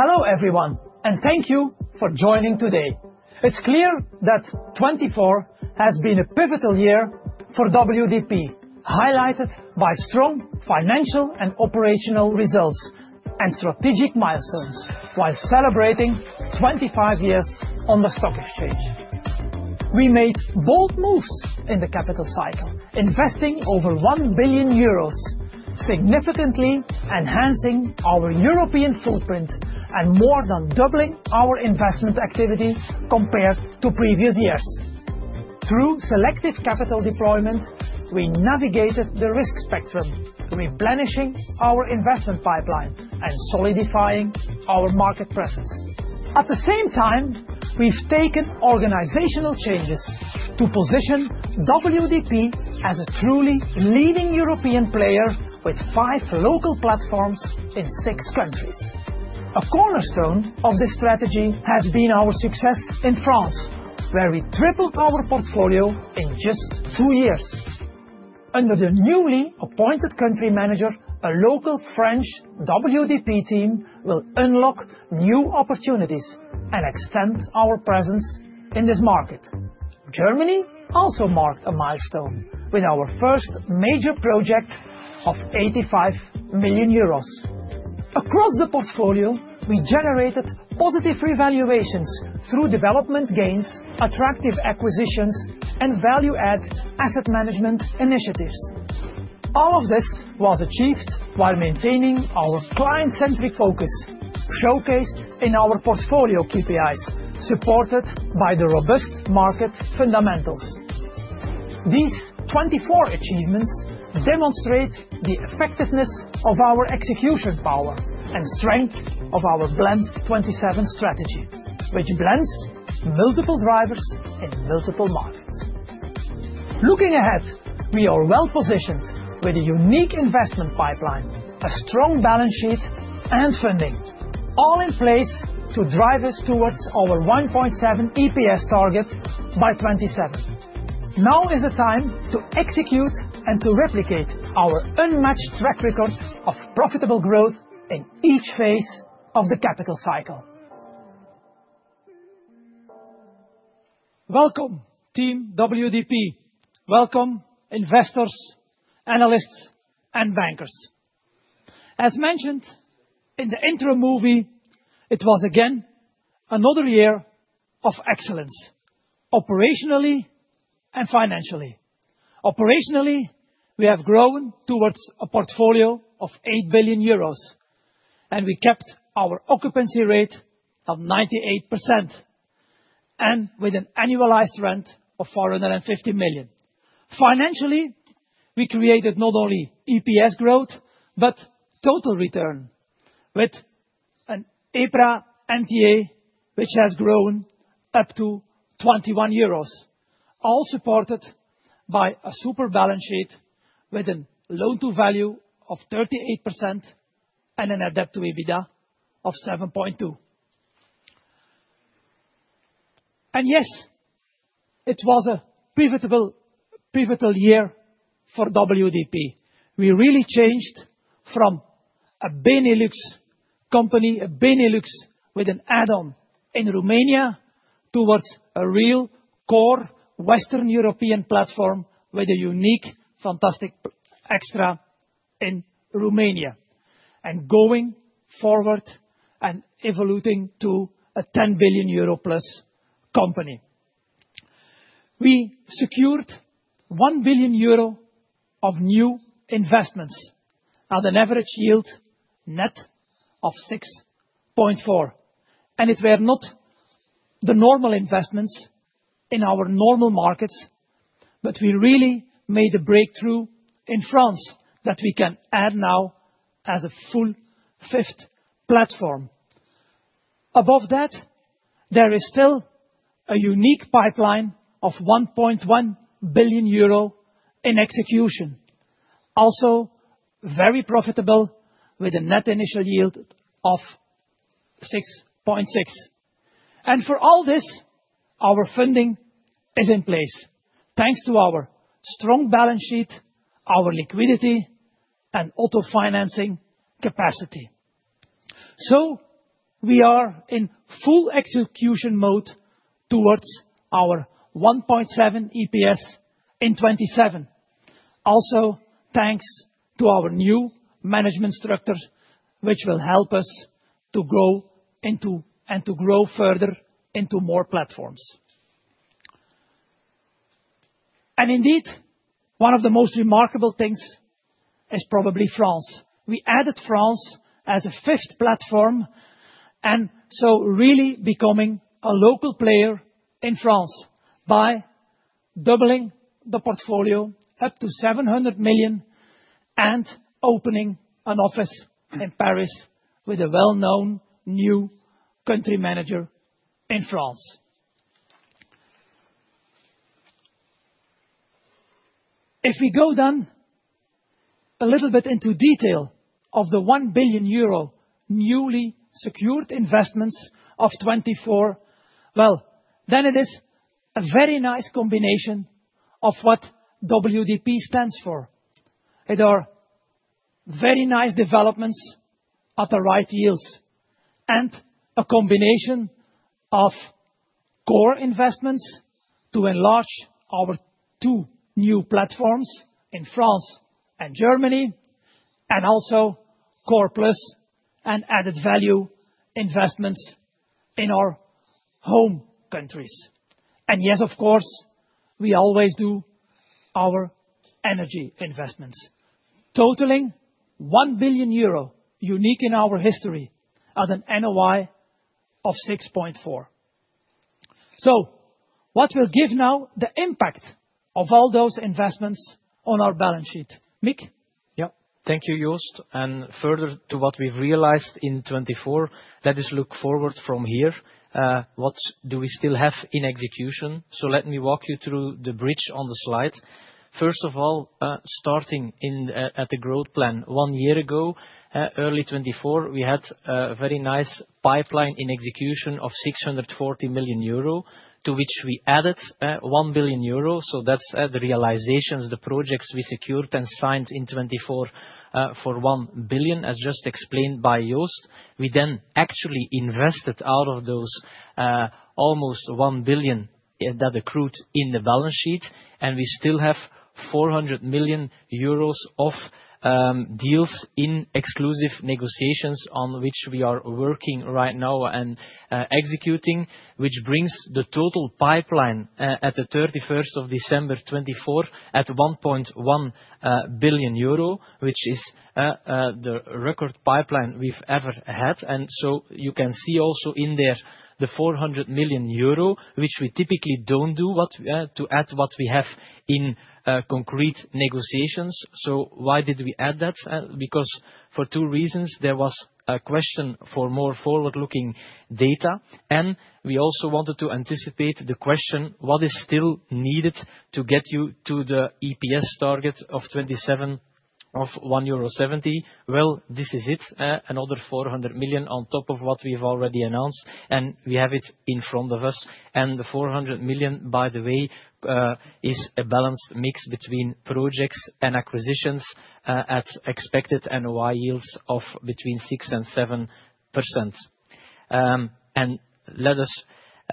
Hello everyone, and thank you for joining today. It's clear that 2024 has been a pivotal year for WDP, highlighted by strong financial and operational results and strategic milestones while celebrating 25 years on the stock exchange. We made bold moves in the capital cycle, investing over 1 billion euros, significantly enhancing our European footprint and more than doubling our investment activity compared to previous years. Through selective capital deployment, we navigated the risk spectrum, replenishing our investment pipeline and solidifying our market presence. At the same time, we've taken organizational changes to position WDP as a truly leading European player with five local platforms in six countries. A cornerstone of this strategy has been our success in France, where we tripled our portfolio in just two years. Under the newly appointed country manager, a local French WDP team will unlock new opportunities and extend our presence in this market. Germany also marked a milestone with our first major project of 85 million euros. Across the portfolio, we generated positive revaluations through development gains, attractive acquisitions, and value-add asset management initiatives. All of this was achieved while maintaining our client-centric focus, showcased in our portfolio KPIs supported by the robust market fundamentals. These 2024 achievements demonstrate the effectiveness of our execution power and strength of our Blend '27 strategy, which blends multiple drivers in multiple markets. Looking ahead, we are well positioned with a unique investment pipeline, a strong balance sheet, and funding, all in place to drive us towards our 1.7 EPS target by 2027. Now is the time to execute and to replicate our unmatched track record of profitable growth in each phase of the capital cycle. Welcome, team WDP. Welcome, investors, analysts, and bankers. As mentioned in the intro movie, it was again another year of excellence, operationally and financially. Operationally, we have grown towards a portfolio of 8 billion euros, and we kept our occupancy rate at 98% and with an annualized rent of 450 million. Financially, we created not only EPS growth but total return with an EPRA NTA, which has grown up to 21 euros, all supported by a super balance sheet with a loan-to-value of 38% and a debt to EBITDA of 7.2. And yes, it was a pivotal year for WDP. We really changed from a Benelux company, a Benelux with an add-on in Romania, towards a real core Western European platform with a unique, fantastic extra in Romania, and going forward and evolving to a 10 billion euro plus company. We secured 1 billion euro of new investments at an average yield net of 6.4%. It were not the normal investments in our normal markets, but we really made the breakthrough in France that we can add now as a full fifth platform. Above that, there is still a unique pipeline of 1.1 billion euro in execution, also very profitable with a net initial yield of 6.6. For all this, our funding is in place, thanks to our strong balance sheet, our liquidity, and autofinancing capacity. We are in full execution mode towards our 1.7 EPS in 2027. Also, thanks to our new management structure, which will help us to grow into and to grow further into more platforms. Indeed, one of the most remarkable things is probably France. We added France as a fifth platform and so really becoming a local player in France by doubling the portfolio up to 700 million and opening an office in Paris with a well-known new country manager in France. If we go then a little bit into detail of the 1 billion euro newly secured investments of 2024, well, then it is a very nice combination of what WDP stands for. It are very nice developments at the right yields and a combination of core investments to enlarge our two new platforms in France and Germany, and also core plus and added value investments in our home countries. And yes, of course, we always do our energy investments, totaling 1 billion euro, unique in our history at an NOI of 6.4%. So what will give now the impact of all those investments on our balance sheet? Mick? Yep, thank you, Joost. Further to what we've realized in 2024, let us look forward from here. What do we still have in execution? Let me walk you through the bridge on the slides. First of all, starting at the growth plan, one year ago, early 2024, we had a very nice pipeline in execution of 640 million euro, to which we added 1 billion euro. That's the realizations, the projects we secured and signed in 2024 for 1 billion, as just explained by Joost. We then actually invested out of those almost 1 billion that accrued in the balance sheet, and we still have 400 million euros of deals in exclusive negotiations on which we are working right now and executing, which brings the total pipeline at the 31st of December 2024 at 1.1 billion euro, which is the record pipeline we've ever had. And so you can see also in there the 400 million euro, which we typically don't do to add what we have in concrete negotiations. So why did we add that? Because for two reasons. There was a question for more forward-looking data, and we also wanted to anticipate the question: what is still needed to get you to the EPS target of 2027 of 1.70 euro? Well, this is it: another 400 million on top of what we've already announced, and we have it in front of us. And the 400 million, by the way, is a balanced mix between projects and acquisitions at expected NOI yields of between 6% and 7%. And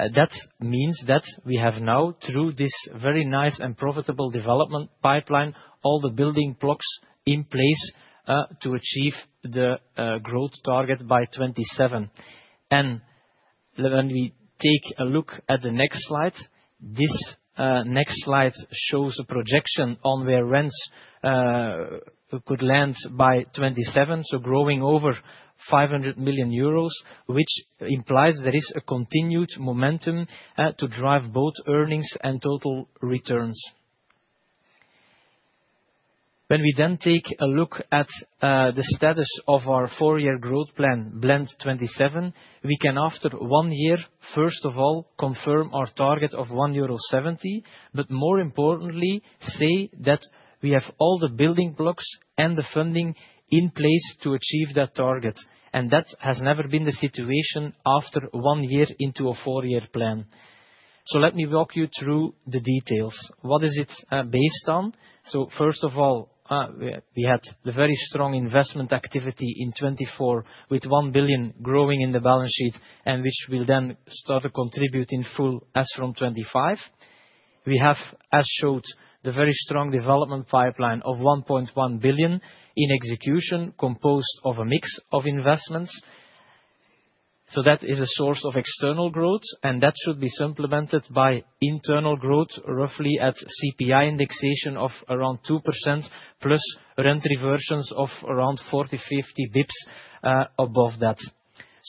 that means that we have now, through this very nice and profitable development pipeline, all the building blocks in place to achieve the growth target by 2027. And when we take a look at the next slide, this next slide shows a projection on where rents could land by 2027, so growing over 500 million euros, which implies there is a continued momentum to drive both earnings and total returns. When we then take a look at the status of our four-year growth plan, Blend 2027, we can, after one year, first of all, confirm our target of 1.70 euro, but more importantly, say that we have all the building blocks and the funding in place to achieve that target. And that has never been the situation after one year into a four-year plan. So let me walk you through the details. What is it based on? First of all, we had the very strong investment activity in 2024 with 1 billion growing in the balance sheet and which will then start to contribute in full as from 2025. We have, as showed, the very strong development pipeline of 1.1 billion in execution, composed of a mix of investments. That is a source of external growth, and that should be supplemented by internal growth, roughly at CPI indexation of around 2%, plus rent reversions of around 40-50 basis points above that.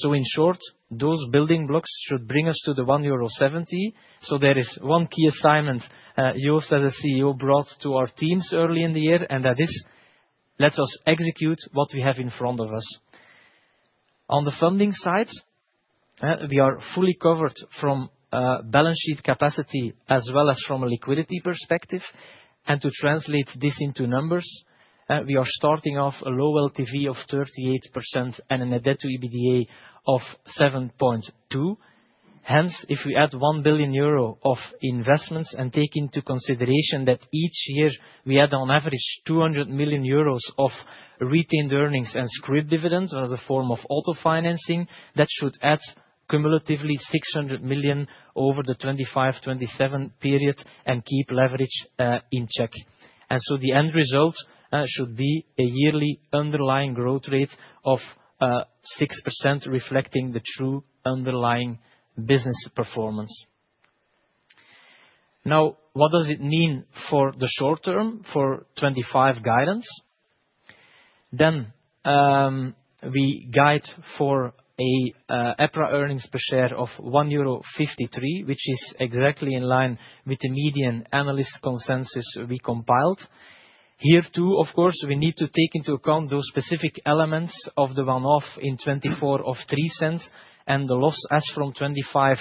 In short, those building blocks should bring us to the 1.70 euro. There is one key assignment Joost, as a CEO, brought to our teams early in the year, and that is: let us execute what we have in front of us. On the funding side, we are fully covered from balance sheet capacity as well as from a liquidity perspective. To translate this into numbers, we are starting off a low LTV of 38% and a debt-to-EBITDA of 7.2. Hence, if we add 1 billion euro of investments and take into consideration that each year we add on average 200 million euros of retained earnings and scrip dividends as a form of autofinancing, that should add cumulatively 600 million over the 2025-2027 period and keep leverage in check. And so the end result should be a yearly underlying growth rate of 6%, reflecting the true underlying business performance. Now, what does it mean for the short term for 2025 guidance? Then we guide for an EPRA earnings per share of 1.53 euro, which is exactly in line with the median analyst consensus we compiled. Here too, of course, we need to take into account those specific elements of the one-off in 2024 of 0.03 and the loss as from 2025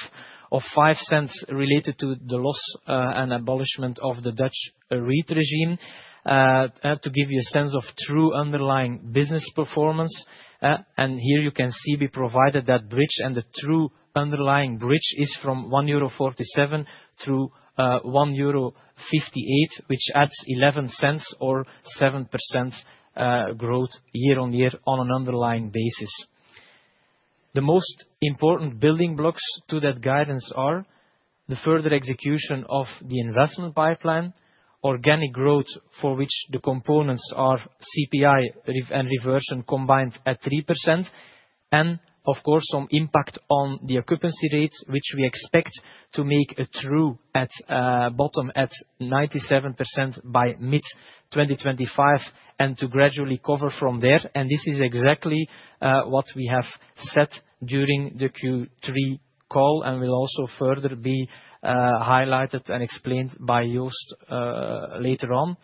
of 0.05 related to the loss and abolishment of the Dutch REIT regime, to give you a sense of true underlying business performance. And here you can see we provided that bridge, and the true underlying bridge is from 1.47 euro through 1.58 euro, which adds 0.11 or 7% growth year-on-year on an underlying basis. The most important building blocks to that guidance are the further execution of the investment pipeline, organic growth for which the components are CPI and reversion combined at 3%, and of course, some impact on the occupancy rate, which we expect to make a true bottom at 97% by mid-2025 and to gradually recover from there. This is exactly what we have set during the Q3 call and will also further be highlighted and explained by Joost later on.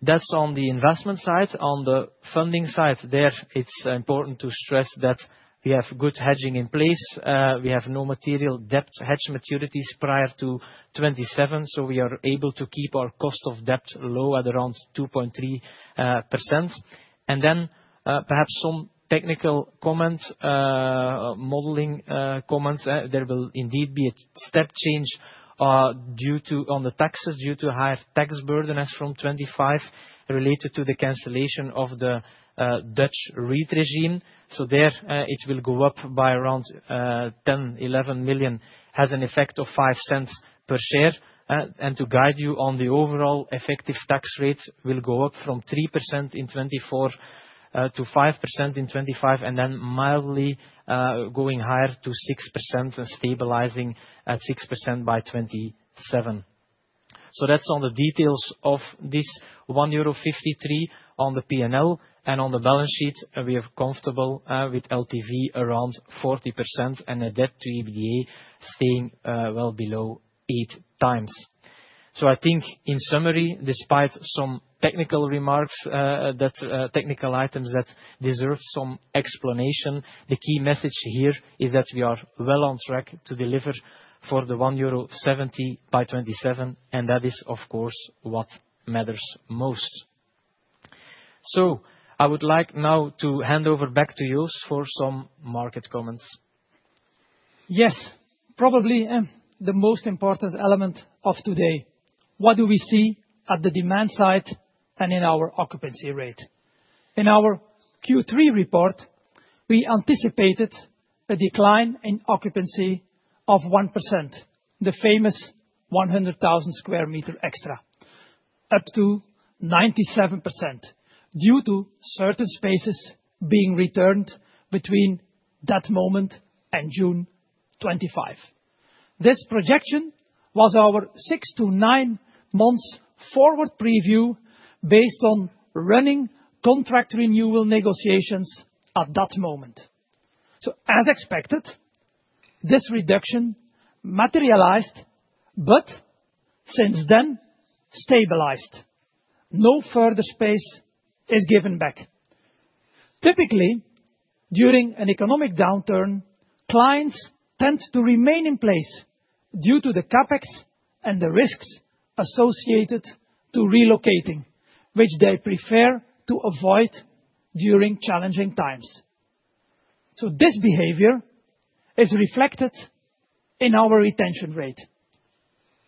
That's on the investment side. On the funding side, there it's important to stress that we have good hedging in place. We have no material debt hedge maturities prior to 2027, so we are able to keep our cost of debt low at around 2.3%. Then perhaps some technical comments, modeling comments. There will indeed be a step change due to the taxes due to higher tax burden as from 2025 related to the cancellation of the Dutch REIT regime. So there it will go up by around 10 million-11 million, has an effect of 0.05 per share. And to guide you on the overall effective tax rates will go up from 3% in 2024 to 5% in 2025, and then mildly going higher to 6% and stabilizing at 6% by 2027. So that's on the details of this 1.53 euro on the P&L. And on the balance sheet, we are comfortable with LTV around 40% and a Debt to EBITDA staying well below eight times. So I think in summary, despite some technical remarks, technical items that deserve some explanation, the key message here is that we are well on track to deliver for the 1.70 euro by 2027, and that is of course what matters most. So I would like now to hand over back to Joost for some market comments. Yes, probably the most important element of today. What do we see at the demand side and in our occupancy rate? In our Q3 report, we anticipated a decline in occupancy of 1%, the famous 100,000 sq m extra, up to 97% due to certain spaces being returned between that moment and June 2025. This projection was our six to nine months forward preview based on running contract renewal negotiations at that moment. So as expected, this reduction materialized, but since then stabilized. No further space is given back. Typically, during an economic downturn, clients tend to remain in place due to the CapEx and the risks associated with relocating, which they prefer to avoid during challenging times. So this behavior is reflected in our retention rate.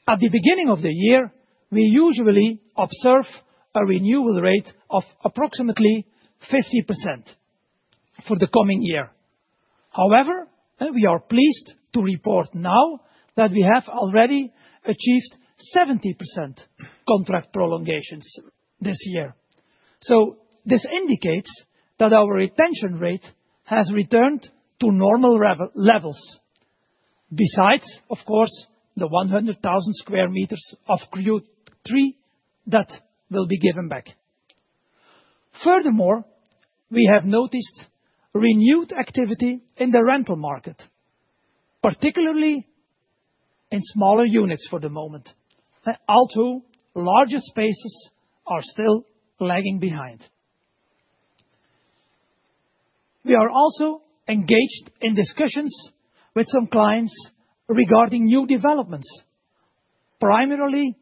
At the beginning of the year, we usually observe a renewal rate of approximately 50% for the coming year. However, we are pleased to report now that we have already achieved 70% contract prolongations this year. So this indicates that our retention rate has returned to normal levels, besides, of course, the sq m of Q3 that will be given back. Furthermore, we have noticed renewed activity in the rental market, particularly in smaller units for the moment, although larger spaces are still lagging behind. We are also engaged in discussions with some clients regarding new developments, primarily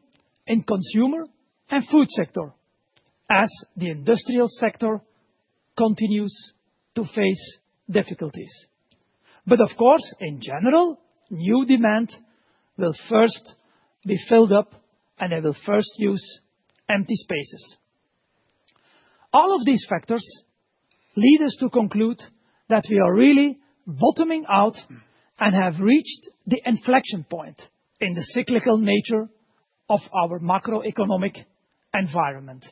in the consumer and food sector, as the industrial sector continues to face difficulties. But of course, in general, new demand will first be filled up, and they will first use empty spaces. All of these factors lead us to conclude that we are really bottoming out and have reached the inflection point in the cyclical nature of our macroeconomic environment.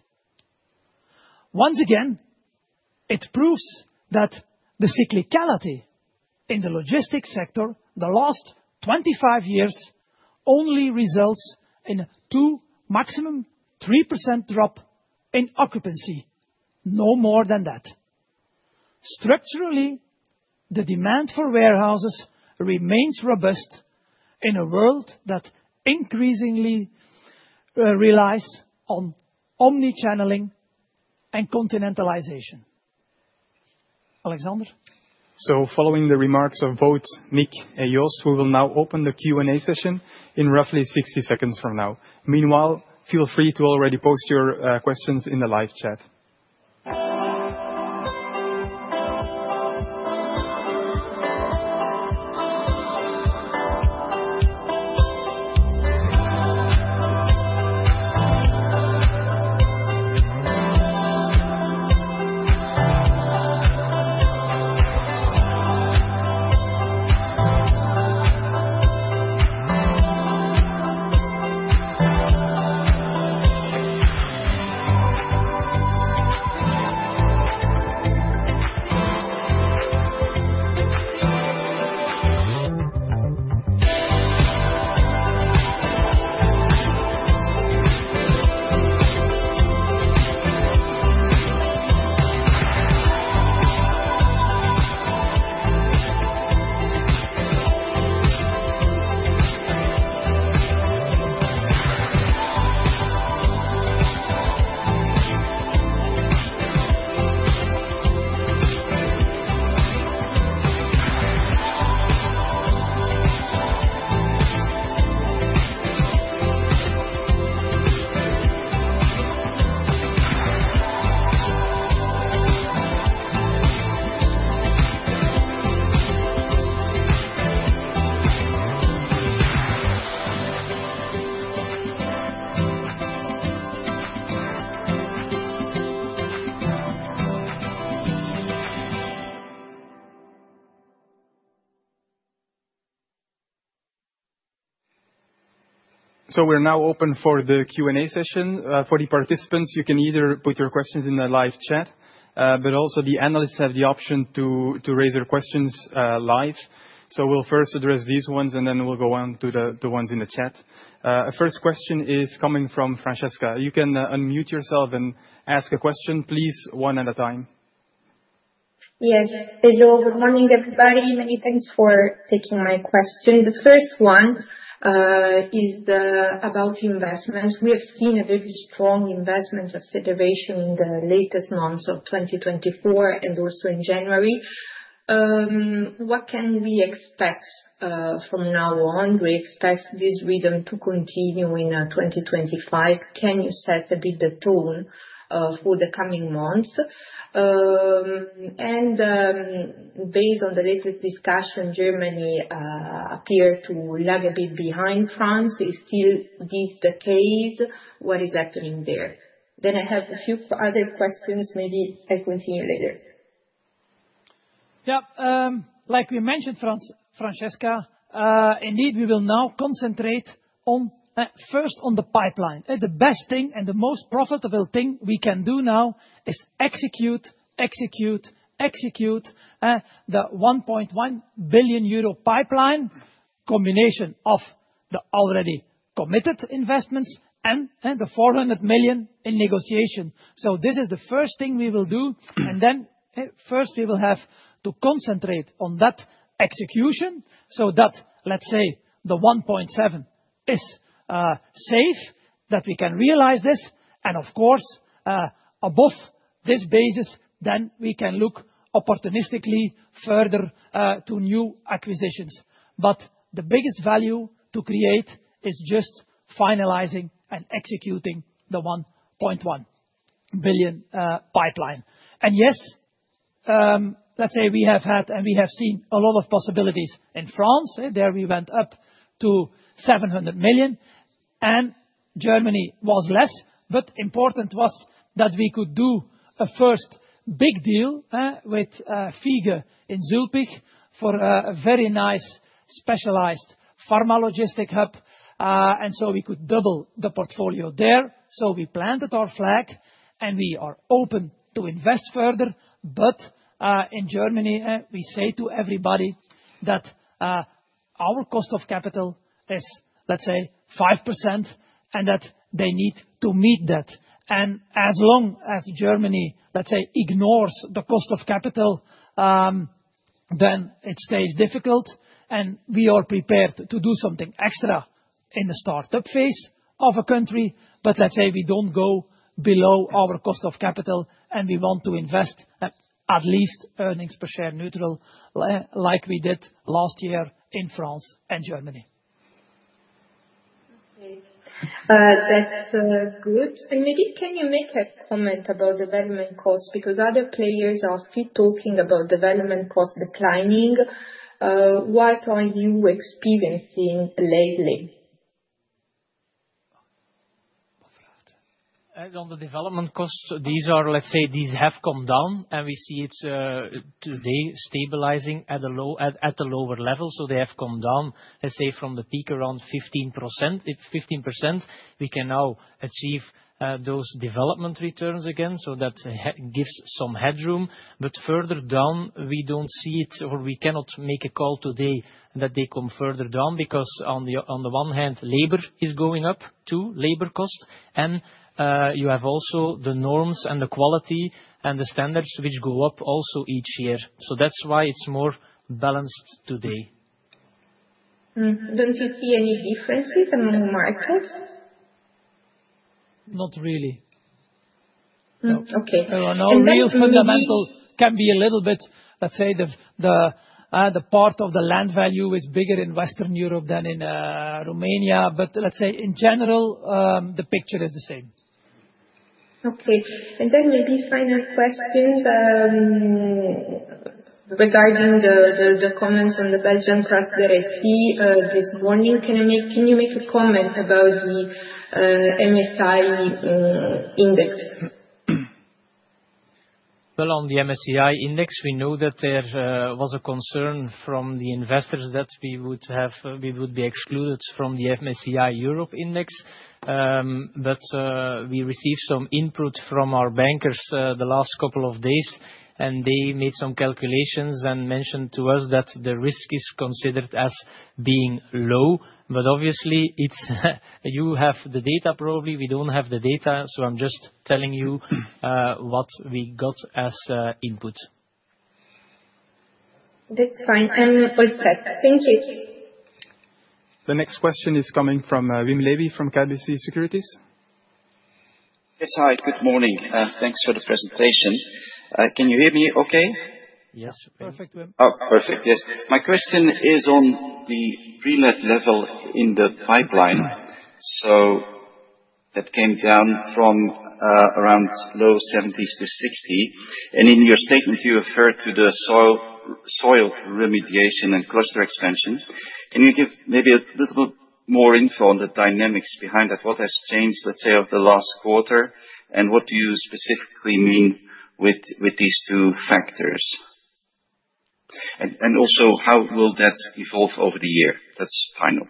Once again, it proves that the cyclicality in the logistics sector the last 25 years only results in a maximum 3% drop in occupancy, no more than that. Structurally, the demand for warehouses remains robust in a world that increasingly relies on omnichanneling and continentalization. So following the remarks of both Mick and Joost, we will now open the Q&A session in roughly 60 seconds from now. Meanwhile, feel free to already post your questions in the live chat. So we're now open for the Q&A session. For the participants, you can either put your questions in the live chat, but also the analysts have the option to raise their questions live. So we'll first address these ones, and then we'll go on to the ones in the chat. First question is coming from Francesca. You can unmute yourself and ask a question, please, one at a time. Yes. Hello. Good morning, everybody. Many thanks for taking my question. The first one is about investments. We have seen a very strong investment acceleration in the latest months of 2024 and also in January. What can we expect from now on? We expect this rhythm to continue in 2025. Can you set a bit the tone for the coming months? And based on the latest discussion, Germany appeared to lag a bit behind France. Is still this the case? What is happening there? Then I have a few other questions. Maybe I'll continue later. Yeah, like we mentioned, Francesca, indeed, we will now concentrate first on the pipeline. The best thing and the most profitable thing we can do now is execute, execute, execute the 1.1 billion euro pipeline combination of the already committed investments and the 400 million in negotiation. So this is the first thing we will do. And then first we will have to concentrate on that execution so that, let's say, the 1.7 is safe, that we can realize this. And of course, above this basis, then we can look opportunistically further to new acquisitions. But the biggest value to create is just finalizing and executing the 1.1 billion pipeline. And yes, let's say we have had and we have seen a lot of possibilities in France. There we went up to 700 million. And Germany was less, but important was that we could do a first big deal with Fiege in Zülpich for a very nice specialized pharma logistic hub. And so we could double the portfolio there. So we planted our flag and we are open to invest further. But in Germany, we say to everybody that our cost of capital is, let's say, 5% and that they need to meet that. And as long as Germany, let's say, ignores the cost of capital, then it stays difficult. And we are prepared to do something extra in the startup phase of a country. But let's say we don't go below our cost of capital and we want to invest at least earnings per share neutral like we did last year in France and Germany. Okay. That's good. And maybe can you make a comment about development costs? Because other players are still talking about development costs declining. What are you experiencing lately? On the development costs, these are, let's say, these have come down and we see it's today stabilizing at the lower level. So they have come down, let's say, from the peak around 15%. If 15%, we can now achieve those development returns again. So that gives some headroom. But further down, we don't see it or we cannot make a call today that they come further down because on the one hand, labor is going up to labor cost. And you have also the norms and the quality and the standards which go up also each year. So that's why it's more balanced today. Don't you see any differences among markets? Not really. Okay. Now, real fundamental can be a little bit, let's say, the part of the land value is bigger in Western Europe than in Romania. But let's say in general, the picture is the same. Okay. And then maybe final questions regarding the comments on the Belgian press that I see this morning. Can you make a comment about the MSCI index? On the MSCI index, we know that there was a concern from the investors that we would be excluded from the MSCI Europe index. But we received some input from our bankers the last couple of days, and they made some calculations and mentioned to us that the risk is considered as being low. But obviously, you have the data probably. We don't have the data. So I'm just telling you what we got as input. That's fine. And all set. Thank you. The next question is coming from Wim Lewi from KBC Securities. Yes, hi. Good morning. Thanks for the presentation. Can you hear me okay? Yes. Perfect. Oh, perfect. Yes. My question is on the pre-let level in the pipeline. So that came down from around low 70s% to 60%. And in your statement, you referred to the soil remediation and cluster expansion. Can you give maybe a little more info on the dynamics behind that? What has changed, let's say, over the last quarter? And what do you specifically mean with these two factors? And also, how will that evolve over the year? That's final.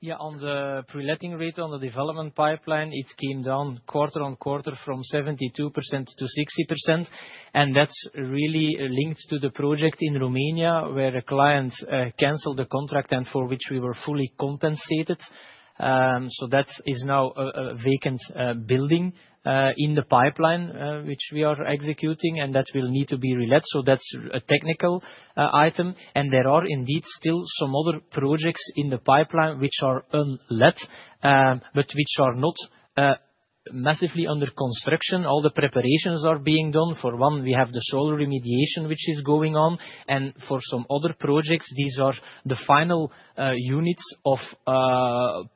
Yeah, on the pre-letting rate on the development pipeline, it came down quarter-on-quarter from 72% to 60%. And that's really linked to the project in Romania where a client canceled the contract and for which we were fully compensated. So that is now a vacant building in the pipeline which we are executing, and that will need to be re-let. So that's a technical item. And there are indeed still some other projects in the pipeline which are unlet, but which are not massively under construction. All the preparations are being done. For one, we have the soil remediation which is going on. And for some other projects, these are the final units of the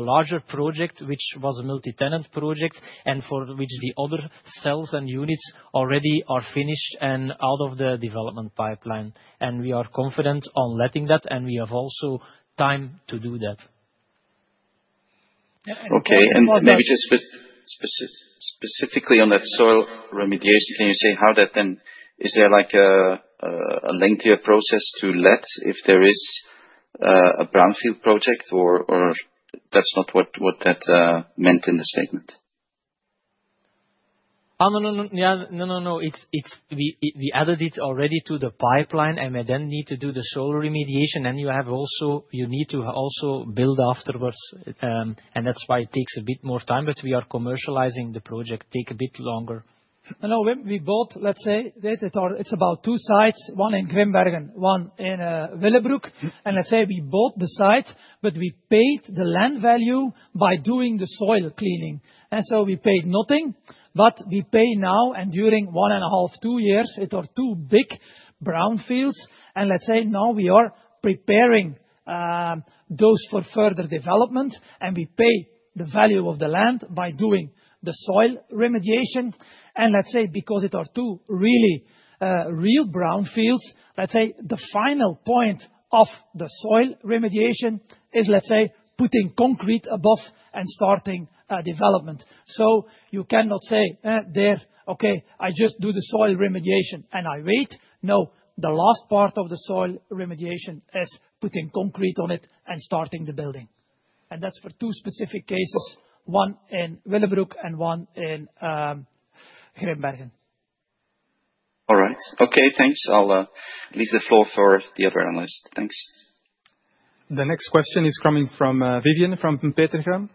larger project, which was a multi-tenant project, and for which the other cells and units already are finished and out of the development pipeline. And we are confident on letting that, and we have also time to do that. Okay. And maybe just specifically on that soil remediation, can you say how that then is there like a lengthier process to let if there is a brownfield project or that's not what that meant in the statement? No, no, no. We added it already to the pipeline, and we then need to do the soil remediation. And you have also you need to also build afterwards. And that's why it takes a bit more time. But we are commercializing the project. It takes a bit longer. No, we bought, let's say, it's about two sites, one in Grimbergen, one in Willebroek, and let's say we bought the site, but we paid the land value by doing the soil cleaning, and so we paid nothing, but we pay now and during one and a half, two years, it are two big brownfields, and let's say now we are preparing those for further development, and we pay the value of the land by doing the soil remediation, and let's say because it are two really real brownfields, let's say the final point of the soil remediation is, let's say, putting concrete above and starting development, so you cannot say, there, okay, I just do the soil remediation and I wait. No, the last part of the soil remediation is putting concrete on it and starting the building. That's for two specific cases, one in Willebroek and one in Grimbergen. All right. Okay. Thanks. I'll leave the floor for the other analyst. Thanks. The next question is coming from Vivien from Degroof Petercam.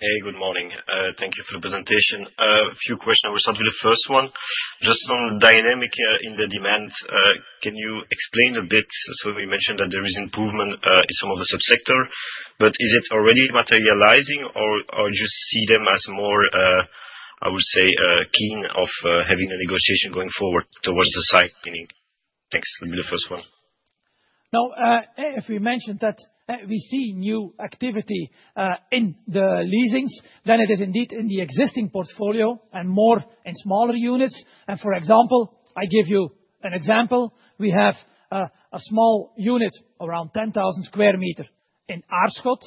Hey, good morning. Thank you for the presentation. A few questions. I will start with the first one. Just on the dynamic in the demand, can you explain a bit? So you mentioned that there is improvement in some of the subsector, but is it already materializing or just see them as more, I would say, keen of having a negotiation going forward towards the site cleaning? Thanks. That'll be the first one. No, if we mentioned that we see new activity in the leasing, then it is indeed in the existing portfolio and more in smaller units. And for example, I give you an example. We have a small unit around sq m in Aarschot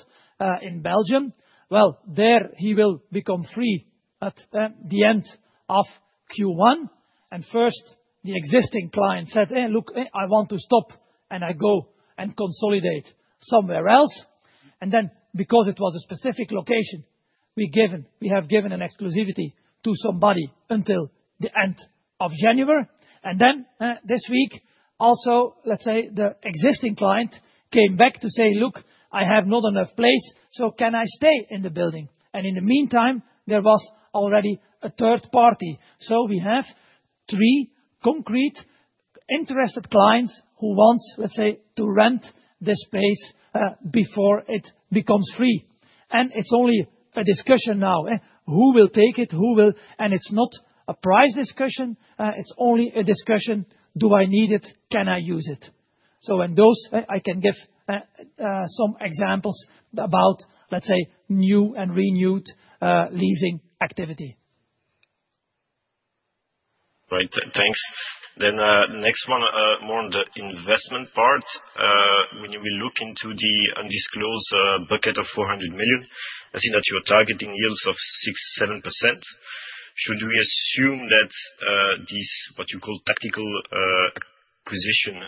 in Belgium. Well, it will become free at the end of Q1. And first, the existing client said, hey, look, I want to stop and I go and consolidate somewhere else. And then because it was a specific location, we have given an exclusivity to somebody until the end of January. And then this week, also, let's say the existing client came back to say, look, I have not enough place, so can I stay in the building? And in the meantime, there was already a third party. We have three concrete interested clients who want, let's say, to rent the space before it becomes free. And it's only a discussion now. Who will take it? And it's not a price discussion. It's only a discussion, do I need it? Can I use it? So when those, I can give some examples about, let's say, new and renewed leasing activity. Right. Thanks. Then the next one, more on the investment part. When we look into the undisclosed bucket of 400 million, I see that you're targeting yields of 6%, 7%. Should we assume that these, what you call tactical acquisition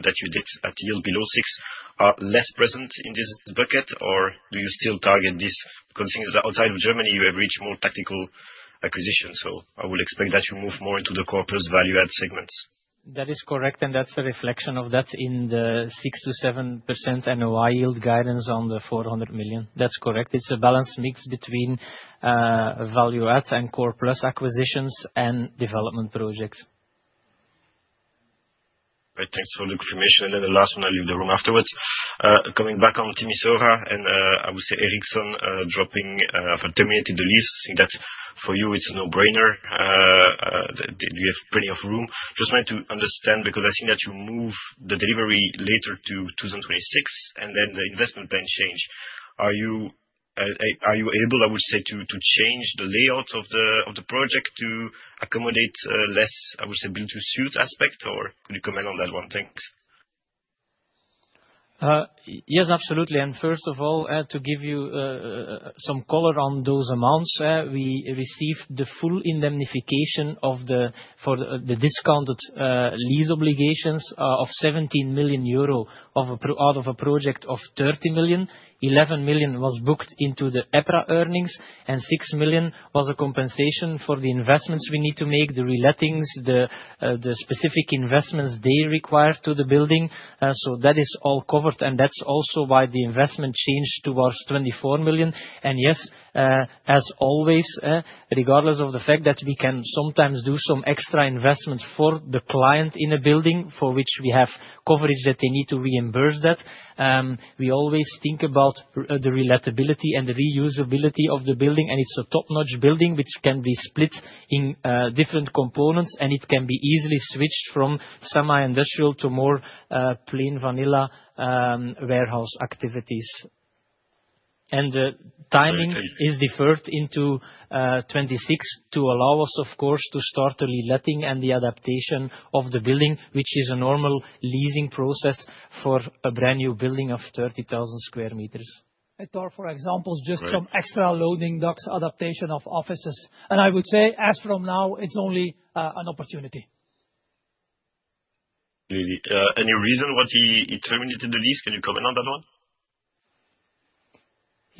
that you did at yield below 6% are less present in this bucket, or do you still target this? Because I think outside of Germany, you have reached more tactical acquisitions. So I would expect that you move more into the core plus value add segments. That is correct, and that's a reflection of that in the 6%-7% NOI yield guidance on the 400 million. That's correct. It's a balanced mix between value adds and core plus acquisitions and development projects. Right. Thanks for the information, and then the last one, I'll leave the room afterwards. Coming back on the Romania and I would say Ericsson dropping out for terminating the lease, I think that for you, it's a no-brainer. We have plenty of room. Just wanted to understand because I think that you move the delivery later to 2026 and then the investment plan change. Are you able, I would say, to change the layout of the project to accommodate less, I would say, build-to-suit aspect, or could you comment on that one? Thanks. Yes, absolutely. And first of all, to give you some color on those amounts, we received the full indemnification for the discounted lease obligations of 17 million euro out of a project of 30 million. 11 million was booked into the EPRA earnings, and 6 million was a compensation for the investments we need to make, the relettings, the specific investments they require to the building. So that is all covered. And that's also why the investment changed towards 24 million. And yes, as always, regardless of the fact that we can sometimes do some extra investments for the client in a building for which we have coverage that they need to reimburse that, we always think about the relettability and the reusability of the building. And it's a top-notch building which can be split in different components, and it can be easily switched from semi-industrial to more plain vanilla warehouse activities. And the timing is deferred into 2026 to allow us, of course, to start the reletting and the adaptation of the building, which is a normal leasing process for a brand new building of 30,000 sq m. I thought, for example, just some extra loading docks, adaptation of offices. And I would say, as from now, it's only an opportunity. Really. Any reason why he terminated the lease? Can you comment on that one?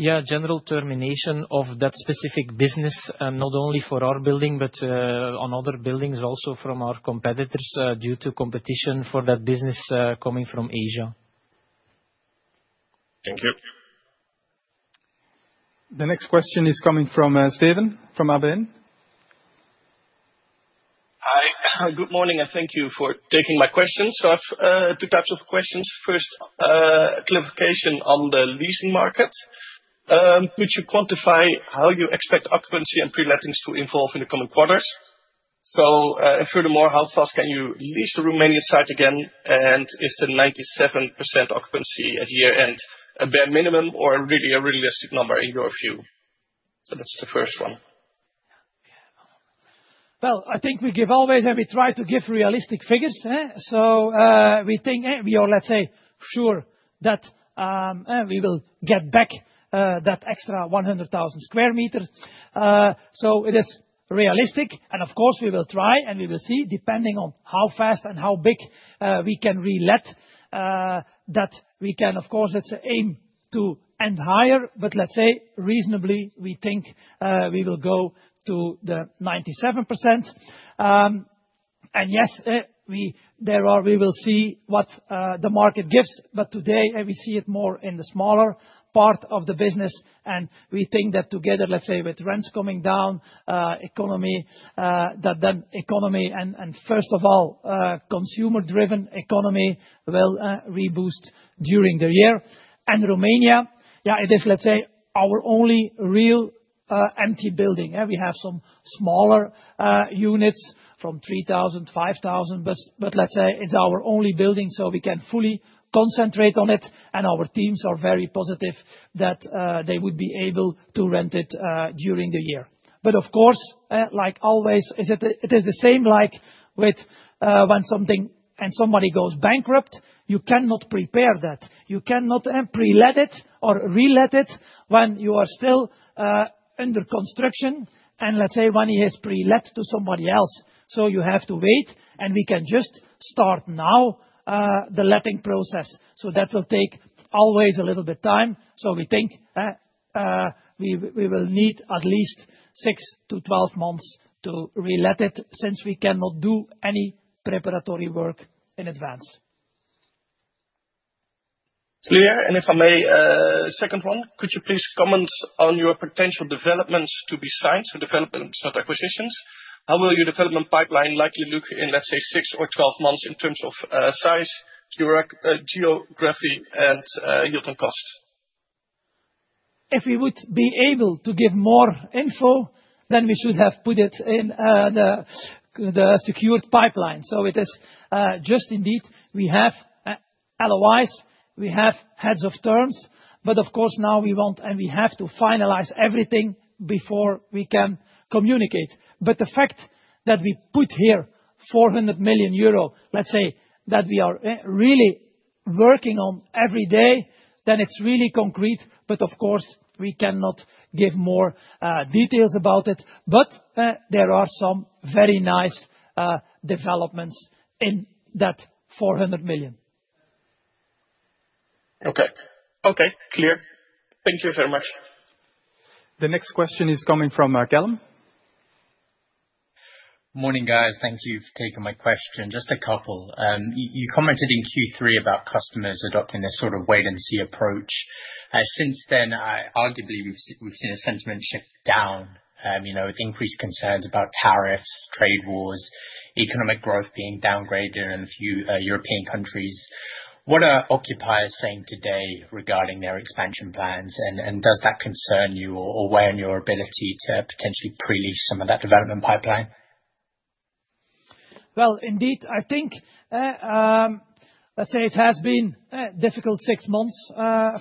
Yeah, general termination of that specific business, not only for our building, but on other buildings also from our competitors due to competition for that business coming from Asia. Thank you. The next question is coming from Steven from ABN. Hi. Good morning and thank you for taking my questions. So I have two types of questions. First, clarification on the leasing market. Could you quantify how you expect occupancy and prelettings to evolve in the coming quarters? So furthermore, how fast can you lease the Romanian site again? And is the 97% occupancy at year-end a bare minimum or really a realistic number in your view? So that's the first one. I think we give always and we try to give realistic figures. So we think we are, let's say, sure that we will get back that extra 100,000 sq m. So it is realistic. And of course, we will try and we will see depending on how fast and how big we can relet that we can, of course, let's say, aim to end higher, but let's say reasonably we think we will go to the 97%. And yes, there are we will see what the market gives. But today, we see it more in the smaller part of the business. And we think that together, let's say, with rents coming down, economy, that then economy and first of all, consumer-driven economy will reboost during the year. And Romania, yeah, it is, let's say, our only real empty building. We have some smaller units from 3,000, 5,000, but let's say it's our only building. So we can fully concentrate on it. And our teams are very positive that they would be able to rent it during the year. But of course, like always, it is the same like with when something and somebody goes bankrupt, you cannot prepare that. You cannot pre-let it or relet it when you are still under construction. And let's say money is pre-let to somebody else. So you have to wait. And we can just start now the letting process. So that will take always a little bit of time. So we think we will need at least six to 12 months to relet it since we cannot do any preparatory work in advance. Julia, and if I may, second one, could you please comment on your potential developments to be signed? So developments, not acquisitions. How will your development pipeline likely look in, let's say, six or 12 months in terms of size, geography, and yield and cost? If we would be able to give more info, then we should have put it in the secured pipeline. So it is just indeed we have LOIs, we have heads of terms, but of course now we want and we have to finalize everything before we can communicate. But the fact that we put here 400 million euro, let's say that we are really working on every day, then it's really concrete. But of course, we cannot give more details about it. But there are some very nice developments in that 400 million. Okay. Clear. Thank you very much. The next question is coming from John. Morning, guys. Thank you for taking my question. Just a couple. You commented in Q3 about customers adopting this sort of wait-and-see approach. Since then, arguably, we've seen a sentiment shift down with increased concerns about tariffs, trade wars, economic growth being downgraded in a few European countries. What are occupiers saying today regarding their expansion plans? And does that concern you or weigh on your ability to potentially pre-lease some of that development pipeline? Indeed, I think, let's say it has been difficult six months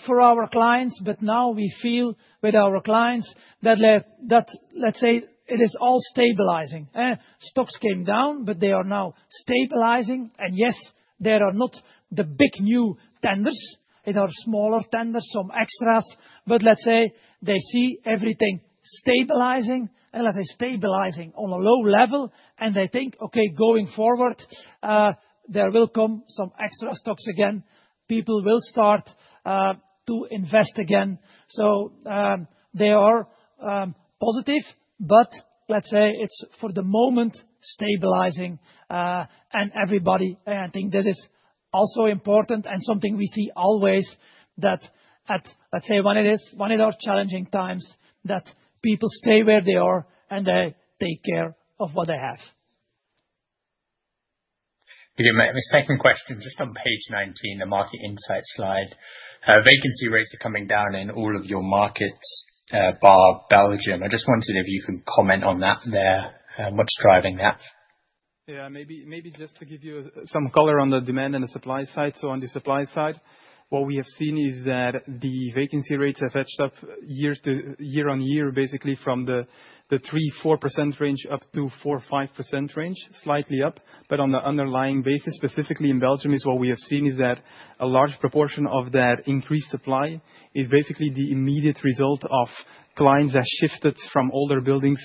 for our clients, but now we feel with our clients that, let's say, it is all stabilizing. Stocks came down, but they are now stabilizing, and yes, there are not the big new tenders. It are smaller tenders, some extras, but let's say they see everything stabilizing, and let's say stabilizing on a low level. They think, okay, going forward, there will come some extra stocks again. People will start to invest again, so they are positive, but let's say it's for the moment stabilizing. Everybody, I think this is also important and something we see always that at, let's say, when it is, when it are challenging times, people stay where they are and they take care of what they have. Okay. My second question just on page 19, the market insight slide. Vacancy rates are coming down in all of your markets bar Belgium. I just wanted if you can comment on that there. What's driving that? Yeah, maybe just to give you some color on the demand and the supply side. So on the supply side, what we have seen is that the vacancy rates have edged up year-on-year, basically from the 3%-4% range up to 4%-5% range, slightly up. But on the underlying basis, specifically in Belgium, what we have seen is that a large proportion of that increased supply is basically the immediate result of clients that shifted from older buildings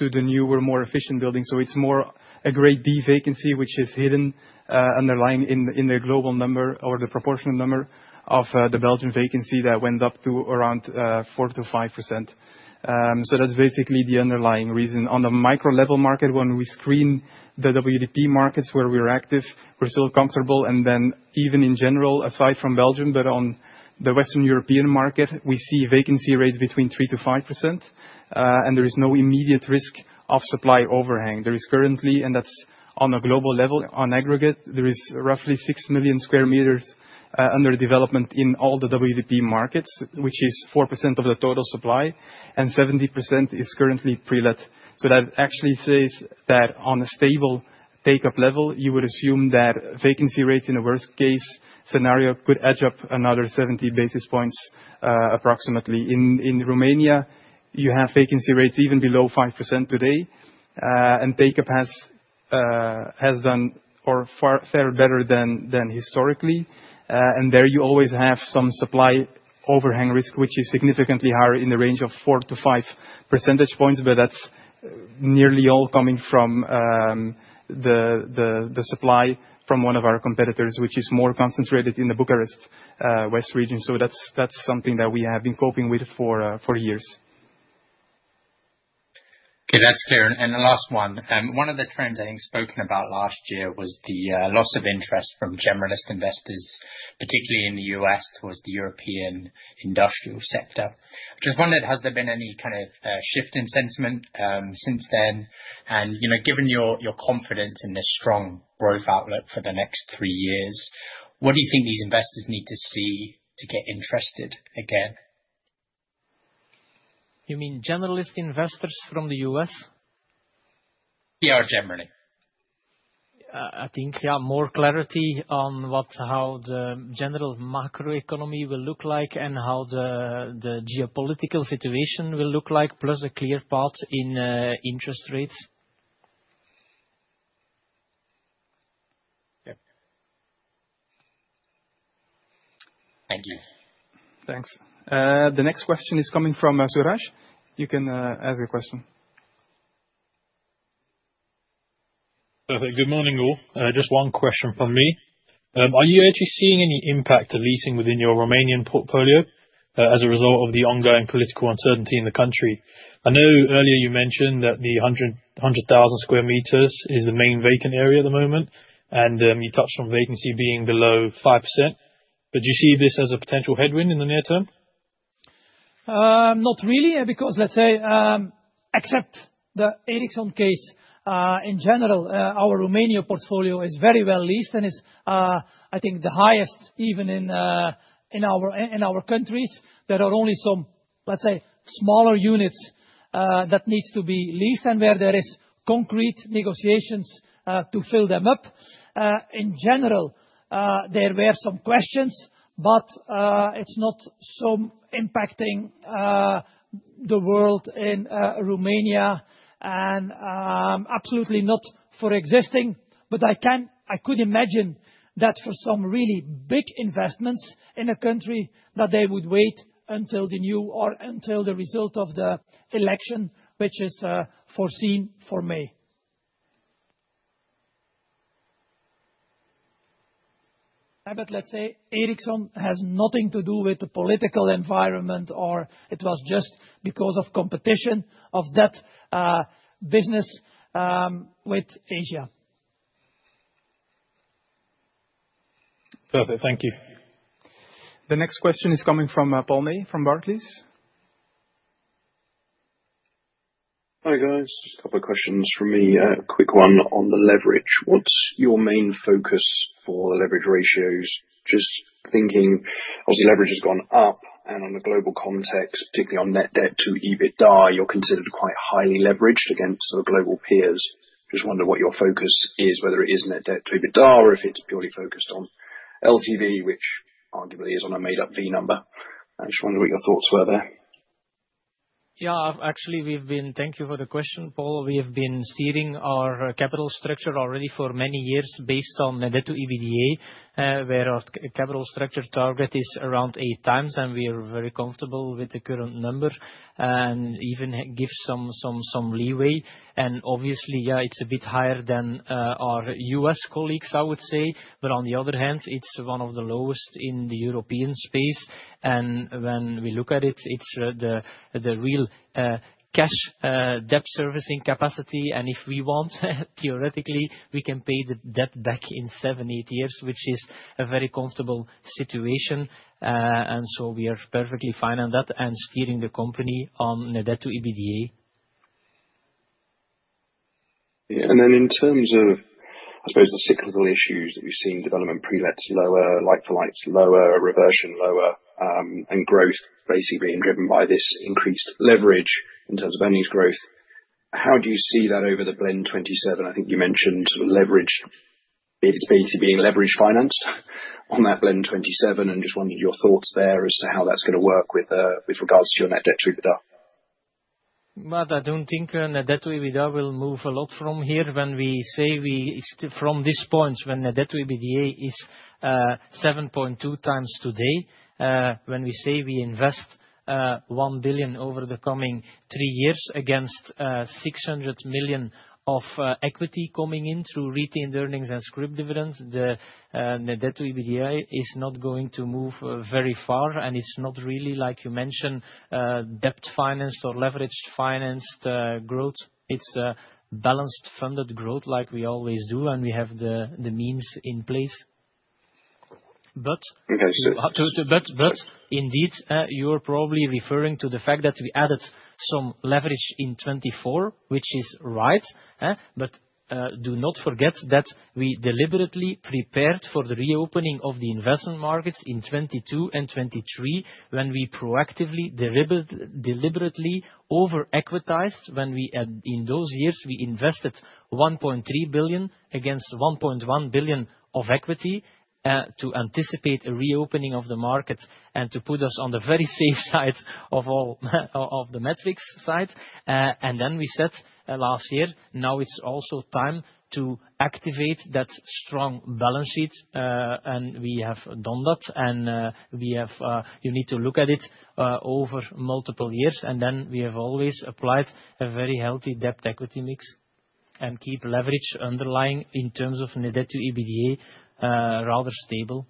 to the newer, more efficient buildings. So it's more a Grade D vacancy, which is hidden underlying in the global number or the proportional number of the Belgian vacancy that went up to around 4%-5%. So that's basically the underlying reason. On the micro-level market, when we screen the WDP markets where we're active, we're still comfortable. Then even in general, aside from Belgium, but on the Western European market, we see vacancy rates between 3% and 5%. There is no immediate risk of supply overhang. There is currently, and that's on a global level, on aggregate, there is roughly 6 million sq m under development in all the WDP markets, which is 4% of the total supply, and 70% is currently pre-let. That actually says that on a stable take-up level, you would assume that vacancy rates in a worst-case scenario could edge up another 70 basis points approximately. In Romania, you have vacancy rates even below 5% today. Take-up has done far better than historically. There you always have some supply overhang risk, which is significantly higher in the range of 4%-5% points, but that's nearly all coming from the supply from one of our competitors, which is more concentrated in the Bucharest West region. That's something that we have been coping with for years. Okay. That's clear. And last one. One of the trends I think spoken about last year was the loss of interest from generalist investors, particularly in the U.S., towards the European industrial sector. I just wondered, has there been any kind of shift in sentiment since then? And given your confidence in this strong growth outlook for the next three years, what do you think these investors need to see to get interested again? You mean generalist investors from the U.S.? Yeah, generally. I think, yeah, more clarity on how the general macroeconomy will look like and how the geopolitical situation will look like, plus a clear path in interest rates. Yep. Thank you. Thanks. The next question is coming from Suraj. You can ask your question. Good morning, all. Just one question from me. Are you actually seeing any impact to leasing within your Romanian portfolio as a result of the ongoing political uncertainty in the country? I know earlier you mentioned that the sq m is the main vacant area at the moment. And you touched on vacancy being below 5%. But do you see this as a potential headwind in the near term? Not really, because, let's say, except the Ericsson case in general, our Romania portfolio is very well leased. And it's, I think, the highest yield, even in our countries. There are only some, let's say, smaller units that need to be leased. And where there is concrete negotiations to fill them up. In general, there were some questions, but it's not so impacting the yield in Romania. And absolutely not for existing. But I could imagine that for some really big investments in a country that they would wait until the new or until the result of the election, which is foreseen for May. But let's say Ericsson has nothing to do with the political environment or it was just because of competition of that business with Asia. Perfect. Thank you. The next question is coming from Paul May from Barclays. Hi, guys. Just a couple of questions from me. Quick one on the leverage. What's your main focus for the leverage ratios? Just thinking, obviously, leverage has gone up. And on the global context, particularly on net debt to EBITDA, you're considered quite highly leveraged against sort of global peers. Just wonder what your focus is, whether it is net debt to EBITDA or if it's purely focused on LTV, which arguably is on a made-up V number. I just wonder what your thoughts were there. Yeah, actually, thank you for the question, Paul. We have been shaping our capital structure already for many years based on net debt to EBITDA, where our capital structure target is around eight times. And we are very comfortable with the current number and even give some leeway. And obviously, yeah, it's a bit higher than our U.S. colleagues, I would say. But on the other hand, it's one of the lowest in the European space. And when we look at it, it's the real cash debt servicing capacity. And if we want, theoretically, we can pay the debt back in seven, eight years, which is a very comfortable situation. And so we are perfectly fine on that and steering the company on net debt to EBITDA. Then in terms of, I suppose, the cyclical issues that we've seen, development prelets lower, like-for-likes lower, reversion lower, and growth basically being driven by this increased leverage in terms of earnings growth. How do you see that over the Blend '27? I think you mentioned sort of leverage, it's basically being leverage financed on that Blend '27. And just wondered your thoughts there as to how that's going to work with regards to your net debt to EBITDA. I don't think net debt to EBITDA will move a lot from here. When we say from this point, when net debt to EBITDA is 7.2 times today, when we say we invest 1 billion over the coming three years against 600 million of equity coming in through retained earnings and scrip dividends, the net debt to EBITDA is not going to move very far. And it's not really, like you mentioned, debt financed or leveraged financed growth. It's a balanced funded growth like we always do. And we have the means in place. But indeed, you're probably referring to the fact that we added some leverage in 2024, which is right. But do not forget that we deliberately prepared for the reopening of the investment markets in 2022 and 2023 when we proactively, deliberately over-equitized when we in those years invested 1.3 billion against 1.1 billion of equity to anticipate a reopening of the markets and to put us on the very safe side of the metrics side. Then we said last year, now it's also time to activate that strong balance sheet. And we have done that. And we have. You need to look at it over multiple years. Then we have always applied a very healthy debt-equity mix and keep leverage underlying in terms of net debt to EBITDA rather stable.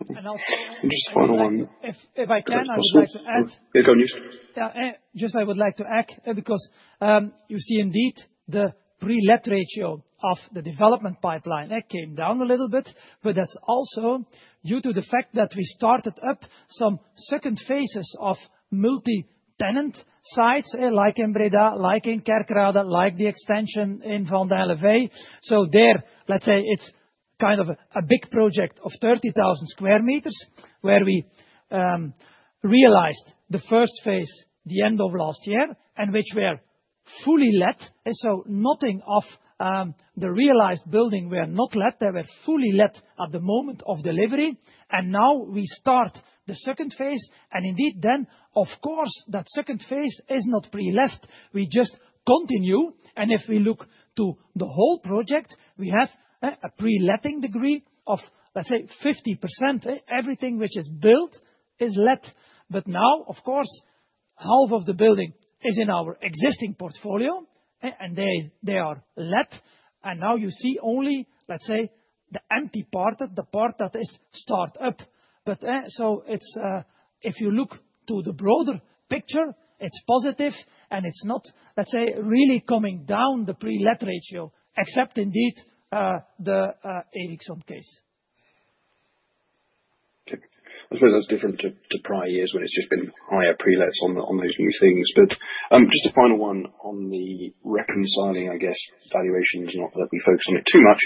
Just one more. If I can, I would like to add. Yeah, go on, you. Yeah, just I would like to add because you see indeed the pre-let ratio of the development pipeline came down a little bit. But that's also due to the fact that we started up some second phases of multi-tenant sites like Breda, like in Kerkrade, like the extension in Veenendaal. So there, let's say it's kind of a big project of sq m where we realized the first phase the end of last year and which were fully let. So nothing of the realized building were not let. They were fully let at the moment of delivery. And now we start the second phase. And indeed then, of course, that second phase is not pre-leased. We just continue. And if we look to the whole project, we have a pre-letting degree of, let's say, 50%. Everything which is built is let. But now, of course, half of the building is in our existing portfolio. And they are let. And now you see only, let's say, the empty part, the part that is start up. But so if you look to the broader picture, it's positive. And it's not, let's say, really coming down the pre-let ratio, except indeed the Ericsson case. Okay. I suppose that's different to prior years when it's just been higher prelets on those new things. But just a final one on the reconciling, I guess, valuation is not that we focus on it too much.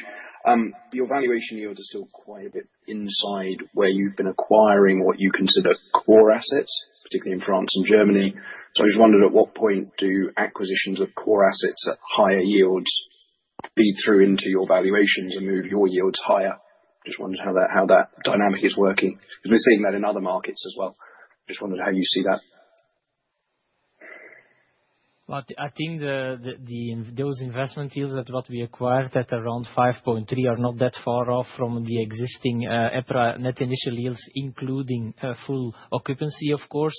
Your valuation yield is still quite a bit inside where you've been acquiring what you consider core assets, particularly in France and Germany. So I just wondered at what point do acquisitions of core assets at higher yields feed through into your valuations and move your yields higher. Just wondered how that dynamic is working. Because we're seeing that in other markets as well. Just wondered how you see that. I think those investment yields that we acquired at around 5.3% are not that far off from the existing net initial yields, including full occupancy, of course.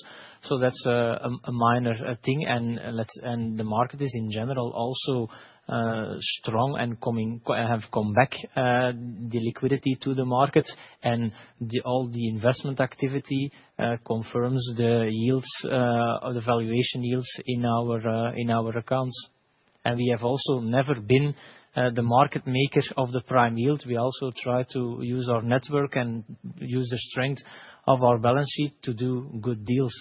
That's a minor thing. The market is in general also strong and have come back the liquidity to the markets. All the investment activity confirms the valuation yields in our accounts. We have also never been the market makers of the prime yields. We also try to use our network and use the strength of our balance sheet to do good deals.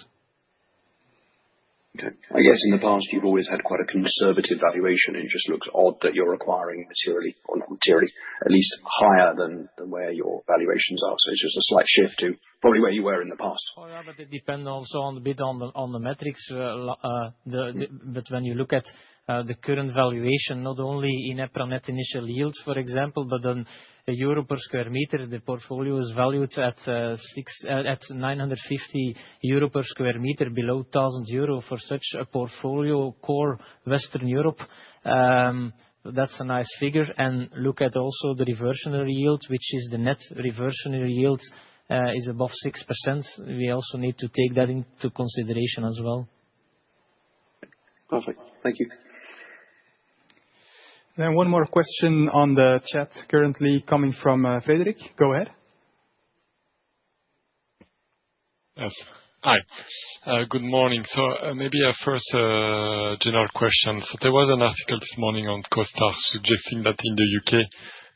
Okay. I guess in the past, you've always had quite a conservative valuation. It just looks odd that you're acquiring materially, or not materially, at least higher than where your valuations are. So it's just a slight shift to probably where you were in the past. Yeah, but it depends also a bit on the metrics. But when you look at the current valuation, not only in net initial yields, for example, but then the EUR per sq m, the portfolio is valued at 950 euro per sq m, below 1,000 euro for such a portfolio core Western Europe. That's a nice figure. Look at also the reversionary yield, which is the net reversionary yield is above 6%. We also need to take that into consideration as well. Perfect. Thank you. Then one more question on the chat currently coming from Frederic. Go ahead. Yes. Hi. Good morning. So maybe a first general question. So there was an article this morning on CoStar suggesting that in the U.K.,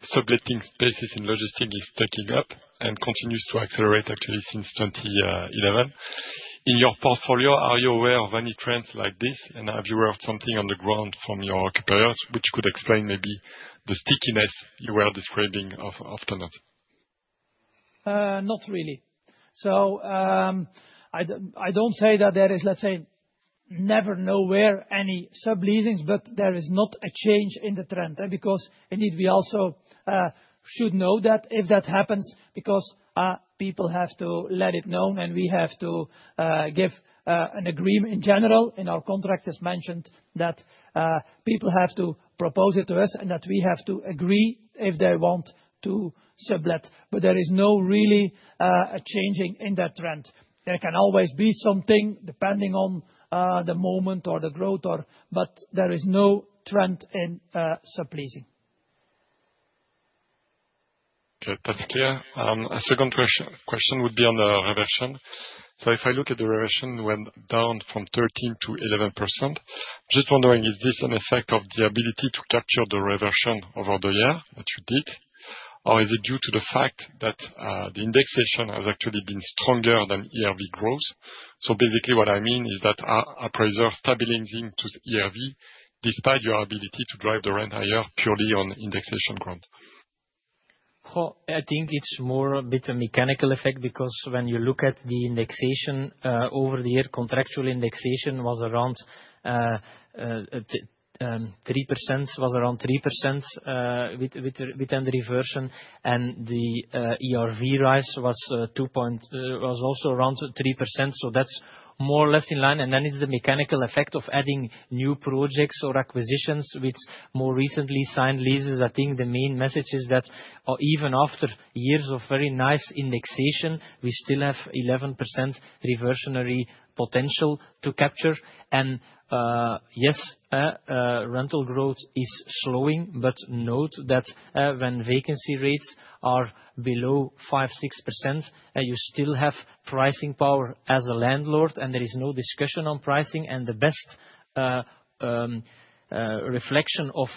subletting spaces in logistics is taking up and continues to accelerate actually since 2011. In your portfolio, are you aware of any trends like this? And have you heard something on the ground from your occupiers, which could explain maybe the stickiness you were describing of tenants? Not really. So I don't say that there is, let's say, never nowhere any sublettings, but there is not a change in the trend. Because indeed we also should know that if that happens, because people have to let it know. And we have to give an agreement in general. In our contract, it's mentioned that people have to propose it to us and that we have to agree if they want to sublet. But there is no really a changing in that trend. There can always be something depending on the moment or the growth, but there is no trend in subletting. Okay. Perfect. Yeah. A second question would be on the reversion. So if I look at the reversion went down from 13% to 11%, just wondering is this an effect of the ability to capture the reversion over the year that you did? Or is it due to the fact that the indexation has actually been stronger than ERV growth? So basically what I mean is that appraisers are stabilizing to ERV despite your ability to drive the rent higher purely on indexation grant. I think it's more of a mechanical effect because when you look at the indexation over the year, contractual indexation was around 3% within the reversion, and the ERV rise was also around 3%, so that's more or less in line, and then it's the mechanical effect of adding new projects or acquisitions with more recently signed leases. I think the main message is that even after years of very nice indexation, we still have 11% reversionary potential to capture, and yes, rental growth is slowing, but note that when vacancy rates are below 5%, 6%, you still have pricing power as a landlord, and there is no discussion on pricing. The best reflection of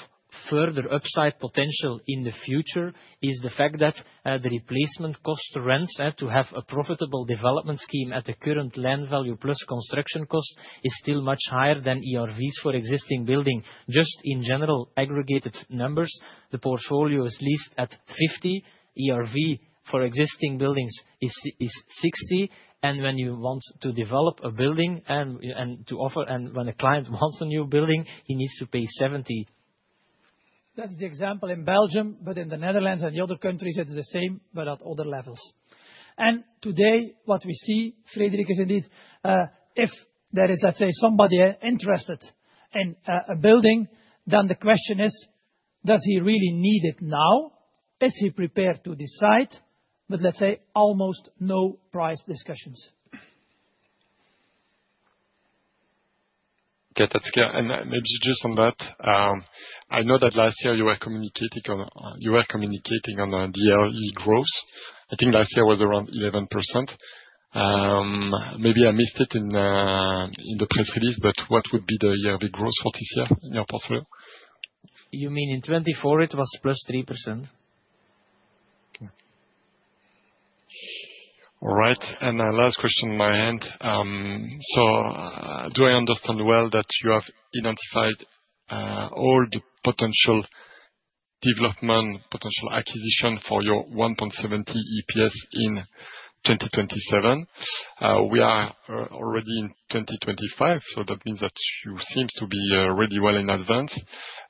further upside potential in the future is the fact that the replacement cost rents to have a profitable development scheme at the current land value plus construction cost is still much higher than ERVs for existing building. Just in general aggregated numbers, the portfolio is leased at 50. ERV for existing buildings is 60. When you want to develop a building and to offer, and when a client wants a new building, he needs to pay 70. That's the example in Belgium. But in the Netherlands and the other countries, it's the same, but at other levels. And today what we see, Frederic is indeed, if there is, let's say, somebody interested in a building, then the question is, does he really need it now? Is he prepared to decide? But let's say almost no price discussions. Okay. That's clear. And maybe just on that, I know that last year you were communicating on the ERV growth. I think last year was around 11%. Maybe I missed it in the press release, but what would be the ERV growth for this year in your portfolio? You mean in 2024, it was plus 3%. Okay. All right. And last question in my hand. So do I understand well that you have identified all the potential development, potential acquisition for your 1.70 EPS in 2027? We are already in 2025. So that means that you seem to be really well in advance.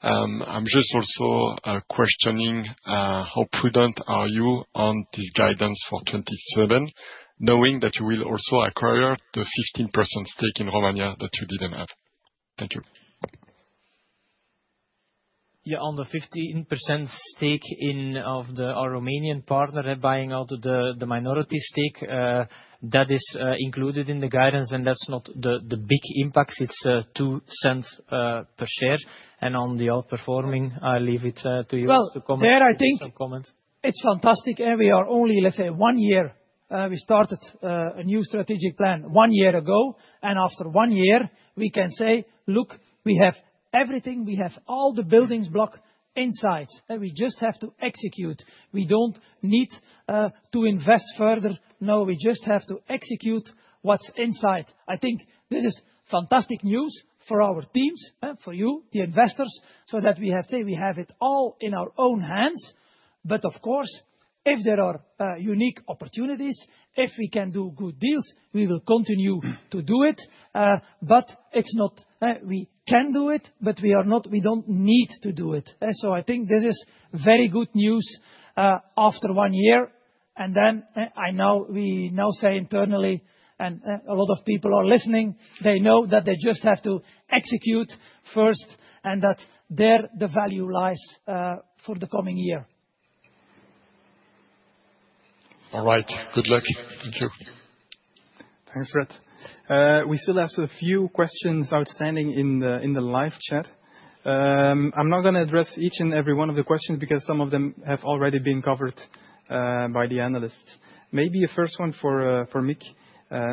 I'm just also questioning how prudent are you on this guidance for 27, knowing that you will also acquire the 15% stake in Romania that you didn't have? Thank you. Yeah. On the 15% stake of the Romanian partner buying out the minority stake, that is included in the guidance. And that's not the big impact. It's 0.02 per share. And on the outperforming, I leave it to you to comment. Well, there I think it's fantastic. And we are only, let's say, one year. We started a new strategic plan one year ago. And after one year, we can say, look, we have everything. We have all the building blocks inside. And we just have to execute. We don't need to invest further. No, we just have to execute what's inside. I think this is fantastic news for our teams, for you, the investors, so that we have it all in our own hands. But of course, if there are unique opportunities, if we can do good deals, we will continue to do it. But it's not we can do it, but we don't need to do it. So I think this is very good news after one year. And then I know we now say internally, and a lot of people are listening, they know that they just have to execute first and that there the value lies for the coming year. All right. Good luck. Thank you. Thanks, Frederic. We still have a few questions outstanding in the live chat. I'm not going to address each and every one of the questions because some of them have already been covered by the analysts. Maybe a first one for Mick.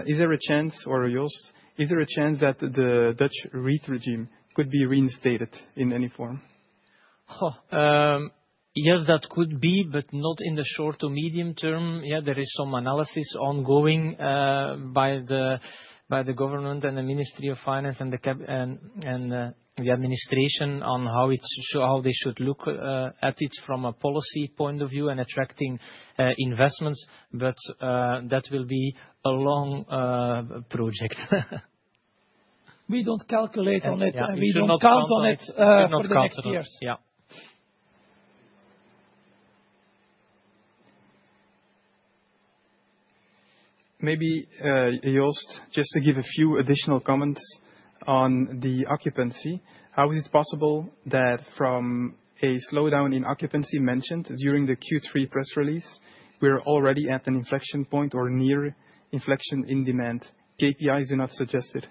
Is there a chance, or Joost, is there a chance that the Dutch REIT regime could be reinstated in any form? Yes, that could be, but not in the short to medium term. Yeah, there is some analysis ongoing by the government and the Ministry of Finance and the administration on how they should look at it from a policy point of view and attracting investments. But that will be a long project. We don't calculate on it. We don't count on it for the next years. Yeah. Maybe Joost, just to give a few additional comments on the occupancy. How is it possible that from a slowdown in occupancy mentioned during the Q3 press release, we're already at an inflection point or near inflection in demand? KPIs do not suggest it.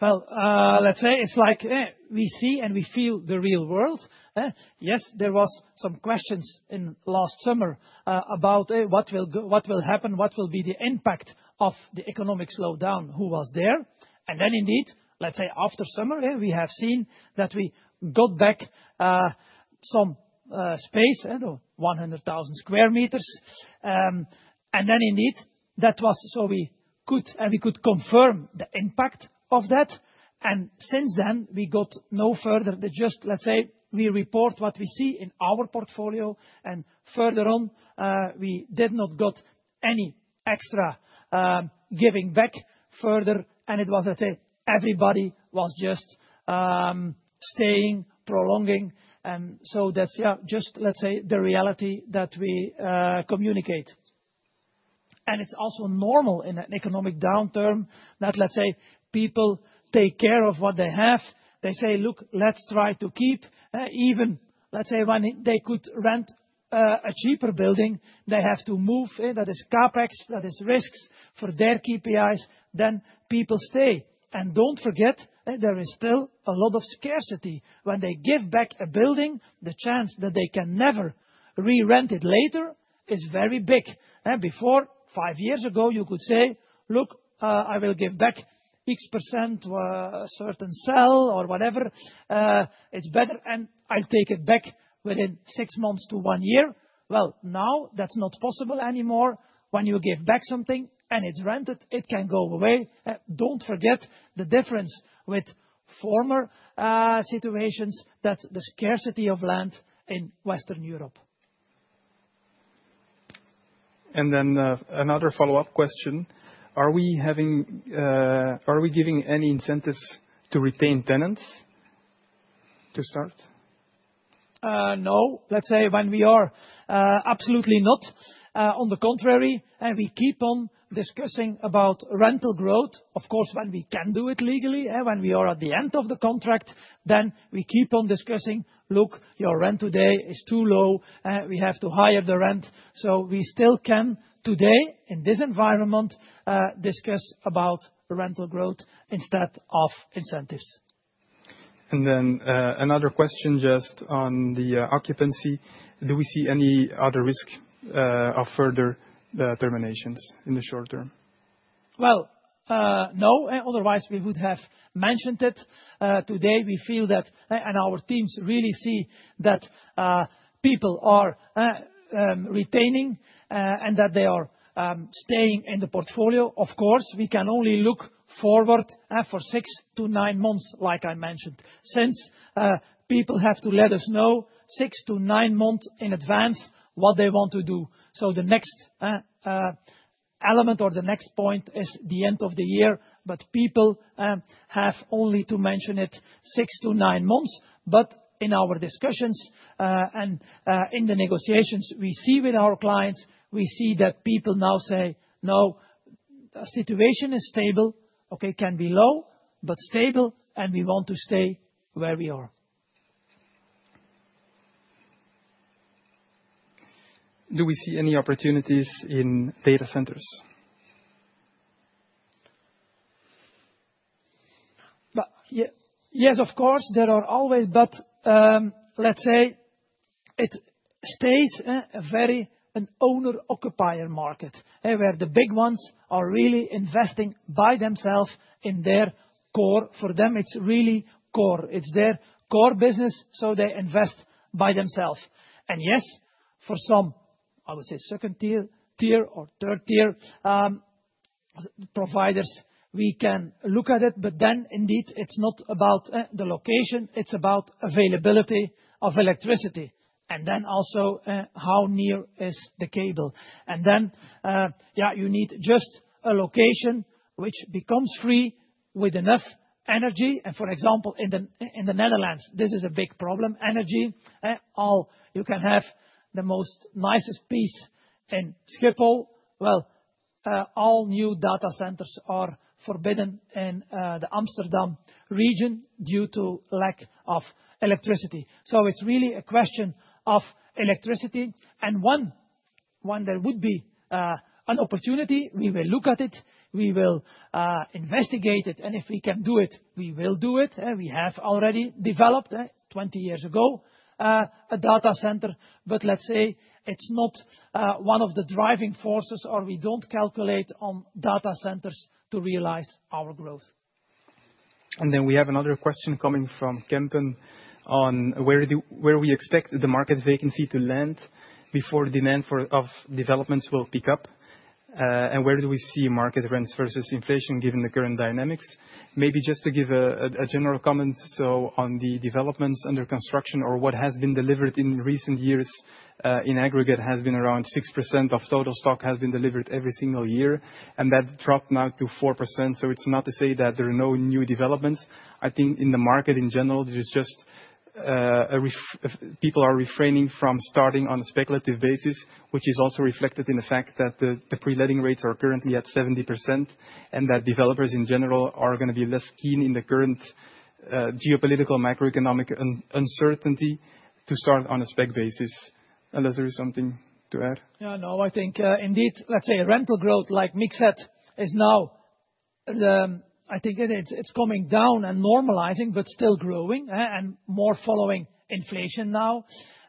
Let's say it's like we see and we feel the real world. Yes, there were some questions last summer about what will happen, what will be the impact of the economic slowdown, who was there. Then indeed, let's say after summer, we have seen that we got back some space, 100,000 sq m. Then indeed, that was so we could and we could confirm the impact of that. Since then, we got no further. Just let's say we report what we see in our portfolio. Further on, we did not get any extra giving back further. It was, let's say, everybody was just staying, prolonging. So that's just, let's say, the reality that we communicate. It's also normal in an economic downturn that, let's say, people take care of what they have. They say, look, let's try to keep even, let's say, when they could rent a cheaper building, they have to move. That is CapEx. That is risks for their KPIs. Then people stay, and don't forget, there is still a lot of scarcity. When they give back a building, the chance that they can never re-rent it later is very big. Before, five years ago, you could say, look, I will give back X percent, a certain sale or whatever. It's better, and I'll take it back within six months to one year, well, now that's not possible anymore. When you give back something and it's rented, it can go away. Don't forget the difference with former situations, that's the scarcity of land in Western Europe. And then another follow-up question. Are we giving any incentives to retain tenants to start? No. Let's say when we are absolutely not. On the contrary, we keep on discussing about rental growth. Of course, when we can do it legally, when we are at the end of the contract, then we keep on discussing, look, your rent today is too low. We have to hike the rent. So we still can today, in this environment, discuss about rental growth instead of incentives. Another question just on the occupancy. Do we see any other risk of further terminations in the short term? No. Otherwise, we would have mentioned it. Today, we feel that, and our teams really see that people are retaining and that they are staying in the portfolio. Of course, we can only look forward for six to nine months, like I mentioned, since people have to let us know six to nine months in advance what they want to do. So the next element or the next point is the end of the year. But people have only to mention it six to nine months. But in our discussions and in the negotiations, we see with our clients, we see that people now say, no, the situation is stable. Okay, can be low, but stable. And we want to stay where we are. Do we see any opportunities in data centers? Yes, of course, there are always. But let's say it stays a very owner-occupier market where the big ones are really investing by themselves in their core. For them, it's really core. It's their core business. So they invest by themselves. And yes, for some, I would say second tier or third tier providers, we can look at it. But then indeed, it's not about the location. It's about availability of electricity. And then also how near is the cable. And then, yeah, you need just a location which becomes free with enough energy. And for example, in the Netherlands, this is a big problem. Energy. You can have the most nicest piece in Schiphol. All new data centers are forbidden in the Amsterdam region due to lack of electricity. So it's really a question of electricity. And when there would be an opportunity, we will look at it. We will investigate it. And if we can do it, we will do it. We have already developed 20 years ago a data center. But let's say it's not one of the driving forces, or we don't calculate on data centers to realize our growth. And then we have another question coming from Kempen on where we expect the market vacancy to land before demand of developments will pick up. And where do we see market rents versus inflation given the current dynamics? Maybe just to give a general comment on the developments under construction or what has been delivered in recent years in aggregate has been around 6% of total stock has been delivered every single year. And that dropped now to 4%. So it's not to say that there are no new developments. I think in the market in general, there's just people are refraining from starting on a speculative basis, which is also reflected in the fact that the pre-letting rates are currently at 70% and that developers in general are going to be less keen in the current geopolitical macroeconomic uncertainty to start on a spec basis. Unless there is something to add. Yeah, no, I think indeed, let's say rental growth like Mick said is now, I think it's coming down and normalizing, but still growing and more following inflation now.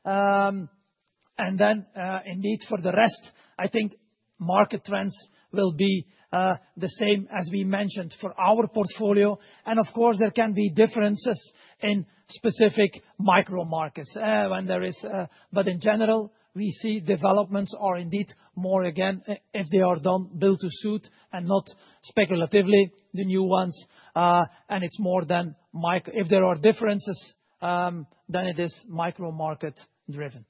And then indeed for the rest, I think market trends will be the same as we mentioned for our portfolio. And of course, there can be differences in specific micro markets when there is. But in general, we see developments are indeed more again if they are built to suit and not speculatively the new ones. And it's more than if there are differences, then it is micro market driven.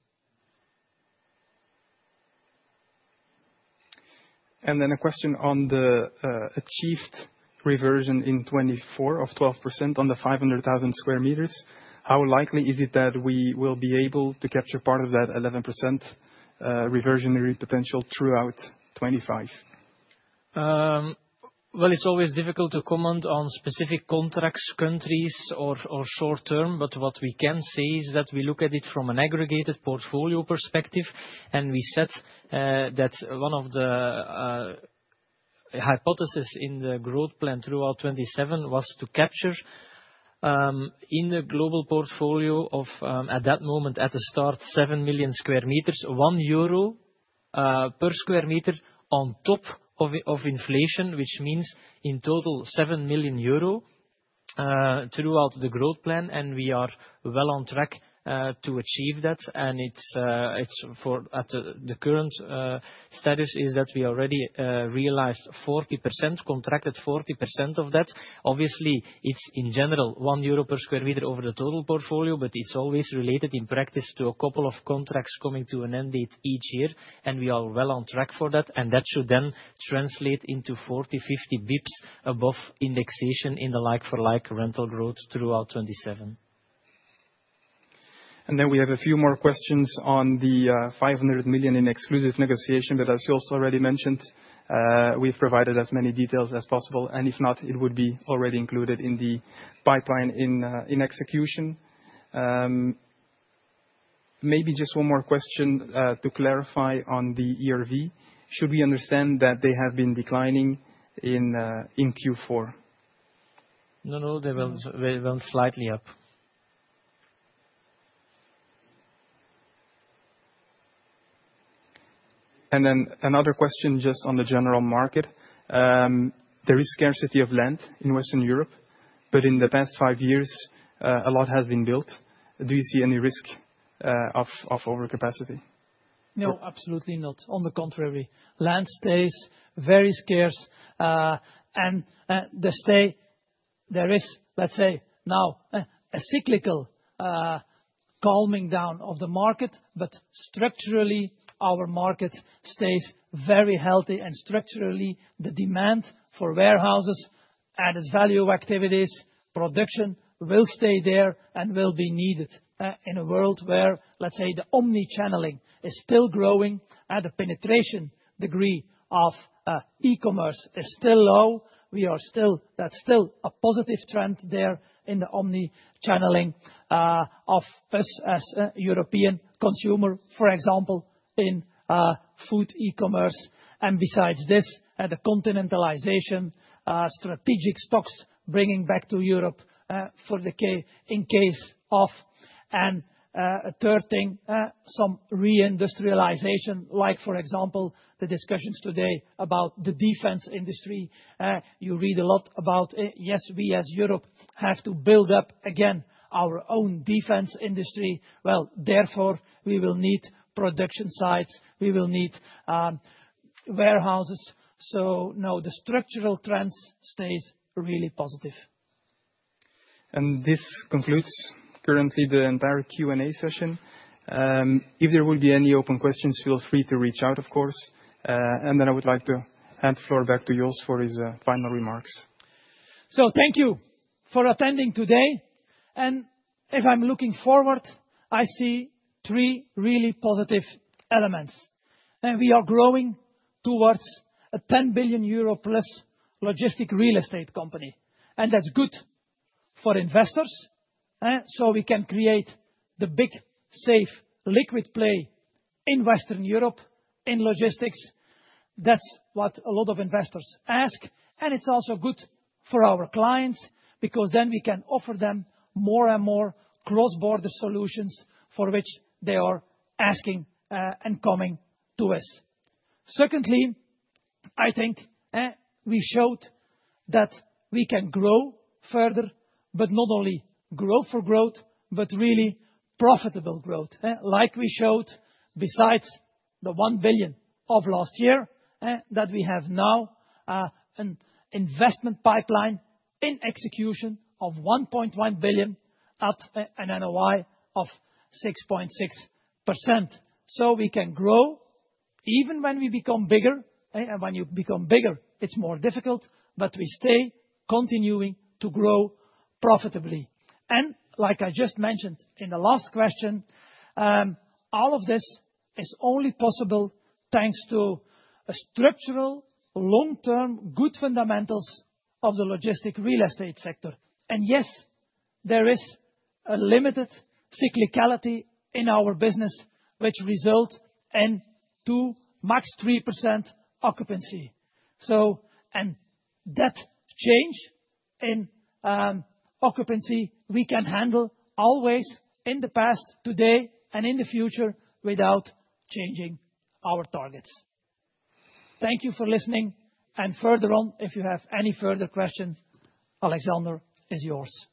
A question on the achieved reversion in 2024 of 12% on the 500,000 sq m. How likely is it that we will be able to capture part of that 11% reversionary potential throughout 2025? It's always difficult to comment on specific contracts, countries, or short term, but what we can say is that we look at it from an aggregated portfolio perspective, and we said that one of the hypotheses in the growth plan throughout '27 was to capture in the global portfolio of at that moment at the start, 7 sq m, 1 euro per sq m on top of inflation, which means in total 7 million euro throughout the growth plan. And we are well on track to achieve that. And it's for at the current status is that we already realized 40%, contracted 40% of that. Obviously, it's in general 1 euro per sq m over the total portfolio, but it's always related in practice to a couple of contracts coming to an end date each year. And we are well on track for that. That should then translate into 40-50 basis points above indexation in the like-for-like rental growth throughout 2027. And then we have a few more questions on the 500 million in exclusive negotiation. But as Joost already mentioned, we've provided as many details as possible. And if not, it would be already included in the pipeline in execution. Maybe just one more question to clarify on the ERV. Should we understand that they have been declining in Q4? No, no, they went slightly up. Another question just on the general market. There is scarcity of land in Western Europe, but in the past five years, a lot has been built. Do you see any risk of overcapacity? No, absolutely not. On the contrary, land stays very scarce. And there is, let's say now, a cyclical calming down of the market. But structurally, our market stays very healthy. And structurally, the demand for warehouses and its value activities, production will stay there and will be needed in a world where, let's say, the omnichanneling is still growing. The penetration degree of e-commerce is still low. That's still a positive trend there in the omnichanneling of us as European consumer, for example, in food e-commerce. And besides this, the continentalization, strategic stocks bringing back to Europe for the in case of. And third thing, some reindustrialization, like for example, the discussions today about the defense industry. You read a lot about, yes, we as Europe have to build up again our own defense industry. Well, therefore, we will need production sites. We will need warehouses. So no, the structural trends stay really positive. This concludes currently the entire Q&A session. If there will be any open questions, feel free to reach out, of course. I would like to hand the floor back to Joost for his final remarks. Thank you for attending today. And if I'm looking forward, I see three really positive elements. And we are growing towards a 10 billion euro plus logistics real estate company. And that's good for investors. So we can create the big safe liquid play in Western Europe in logistics. That's what a lot of investors ask. And it's also good for our clients because then we can offer them more and more cross-border solutions for which they are asking and coming to us. Secondly, I think we showed that we can grow further, but not only growth for growth, but really profitable growth. Like we showed besides the 1 billion of last year that we have now, an investment pipeline in execution of 1.1 billion at an NOI of 6.6%. So we can grow even when we become bigger. And when you become bigger, it's more difficult. We stay continuing to grow profitably. And like I just mentioned in the last question, all of this is only possible thanks to structural long-term good fundamentals of the logistics real estate sector. And yes, there is a limited cyclicality in our business, which result in 2%-3% occupancy. So that change in occupancy, we can handle always in the past, today, and in the future without changing our targets. Thank you for listening. And further on, if you have any further questions, Alexander is yours.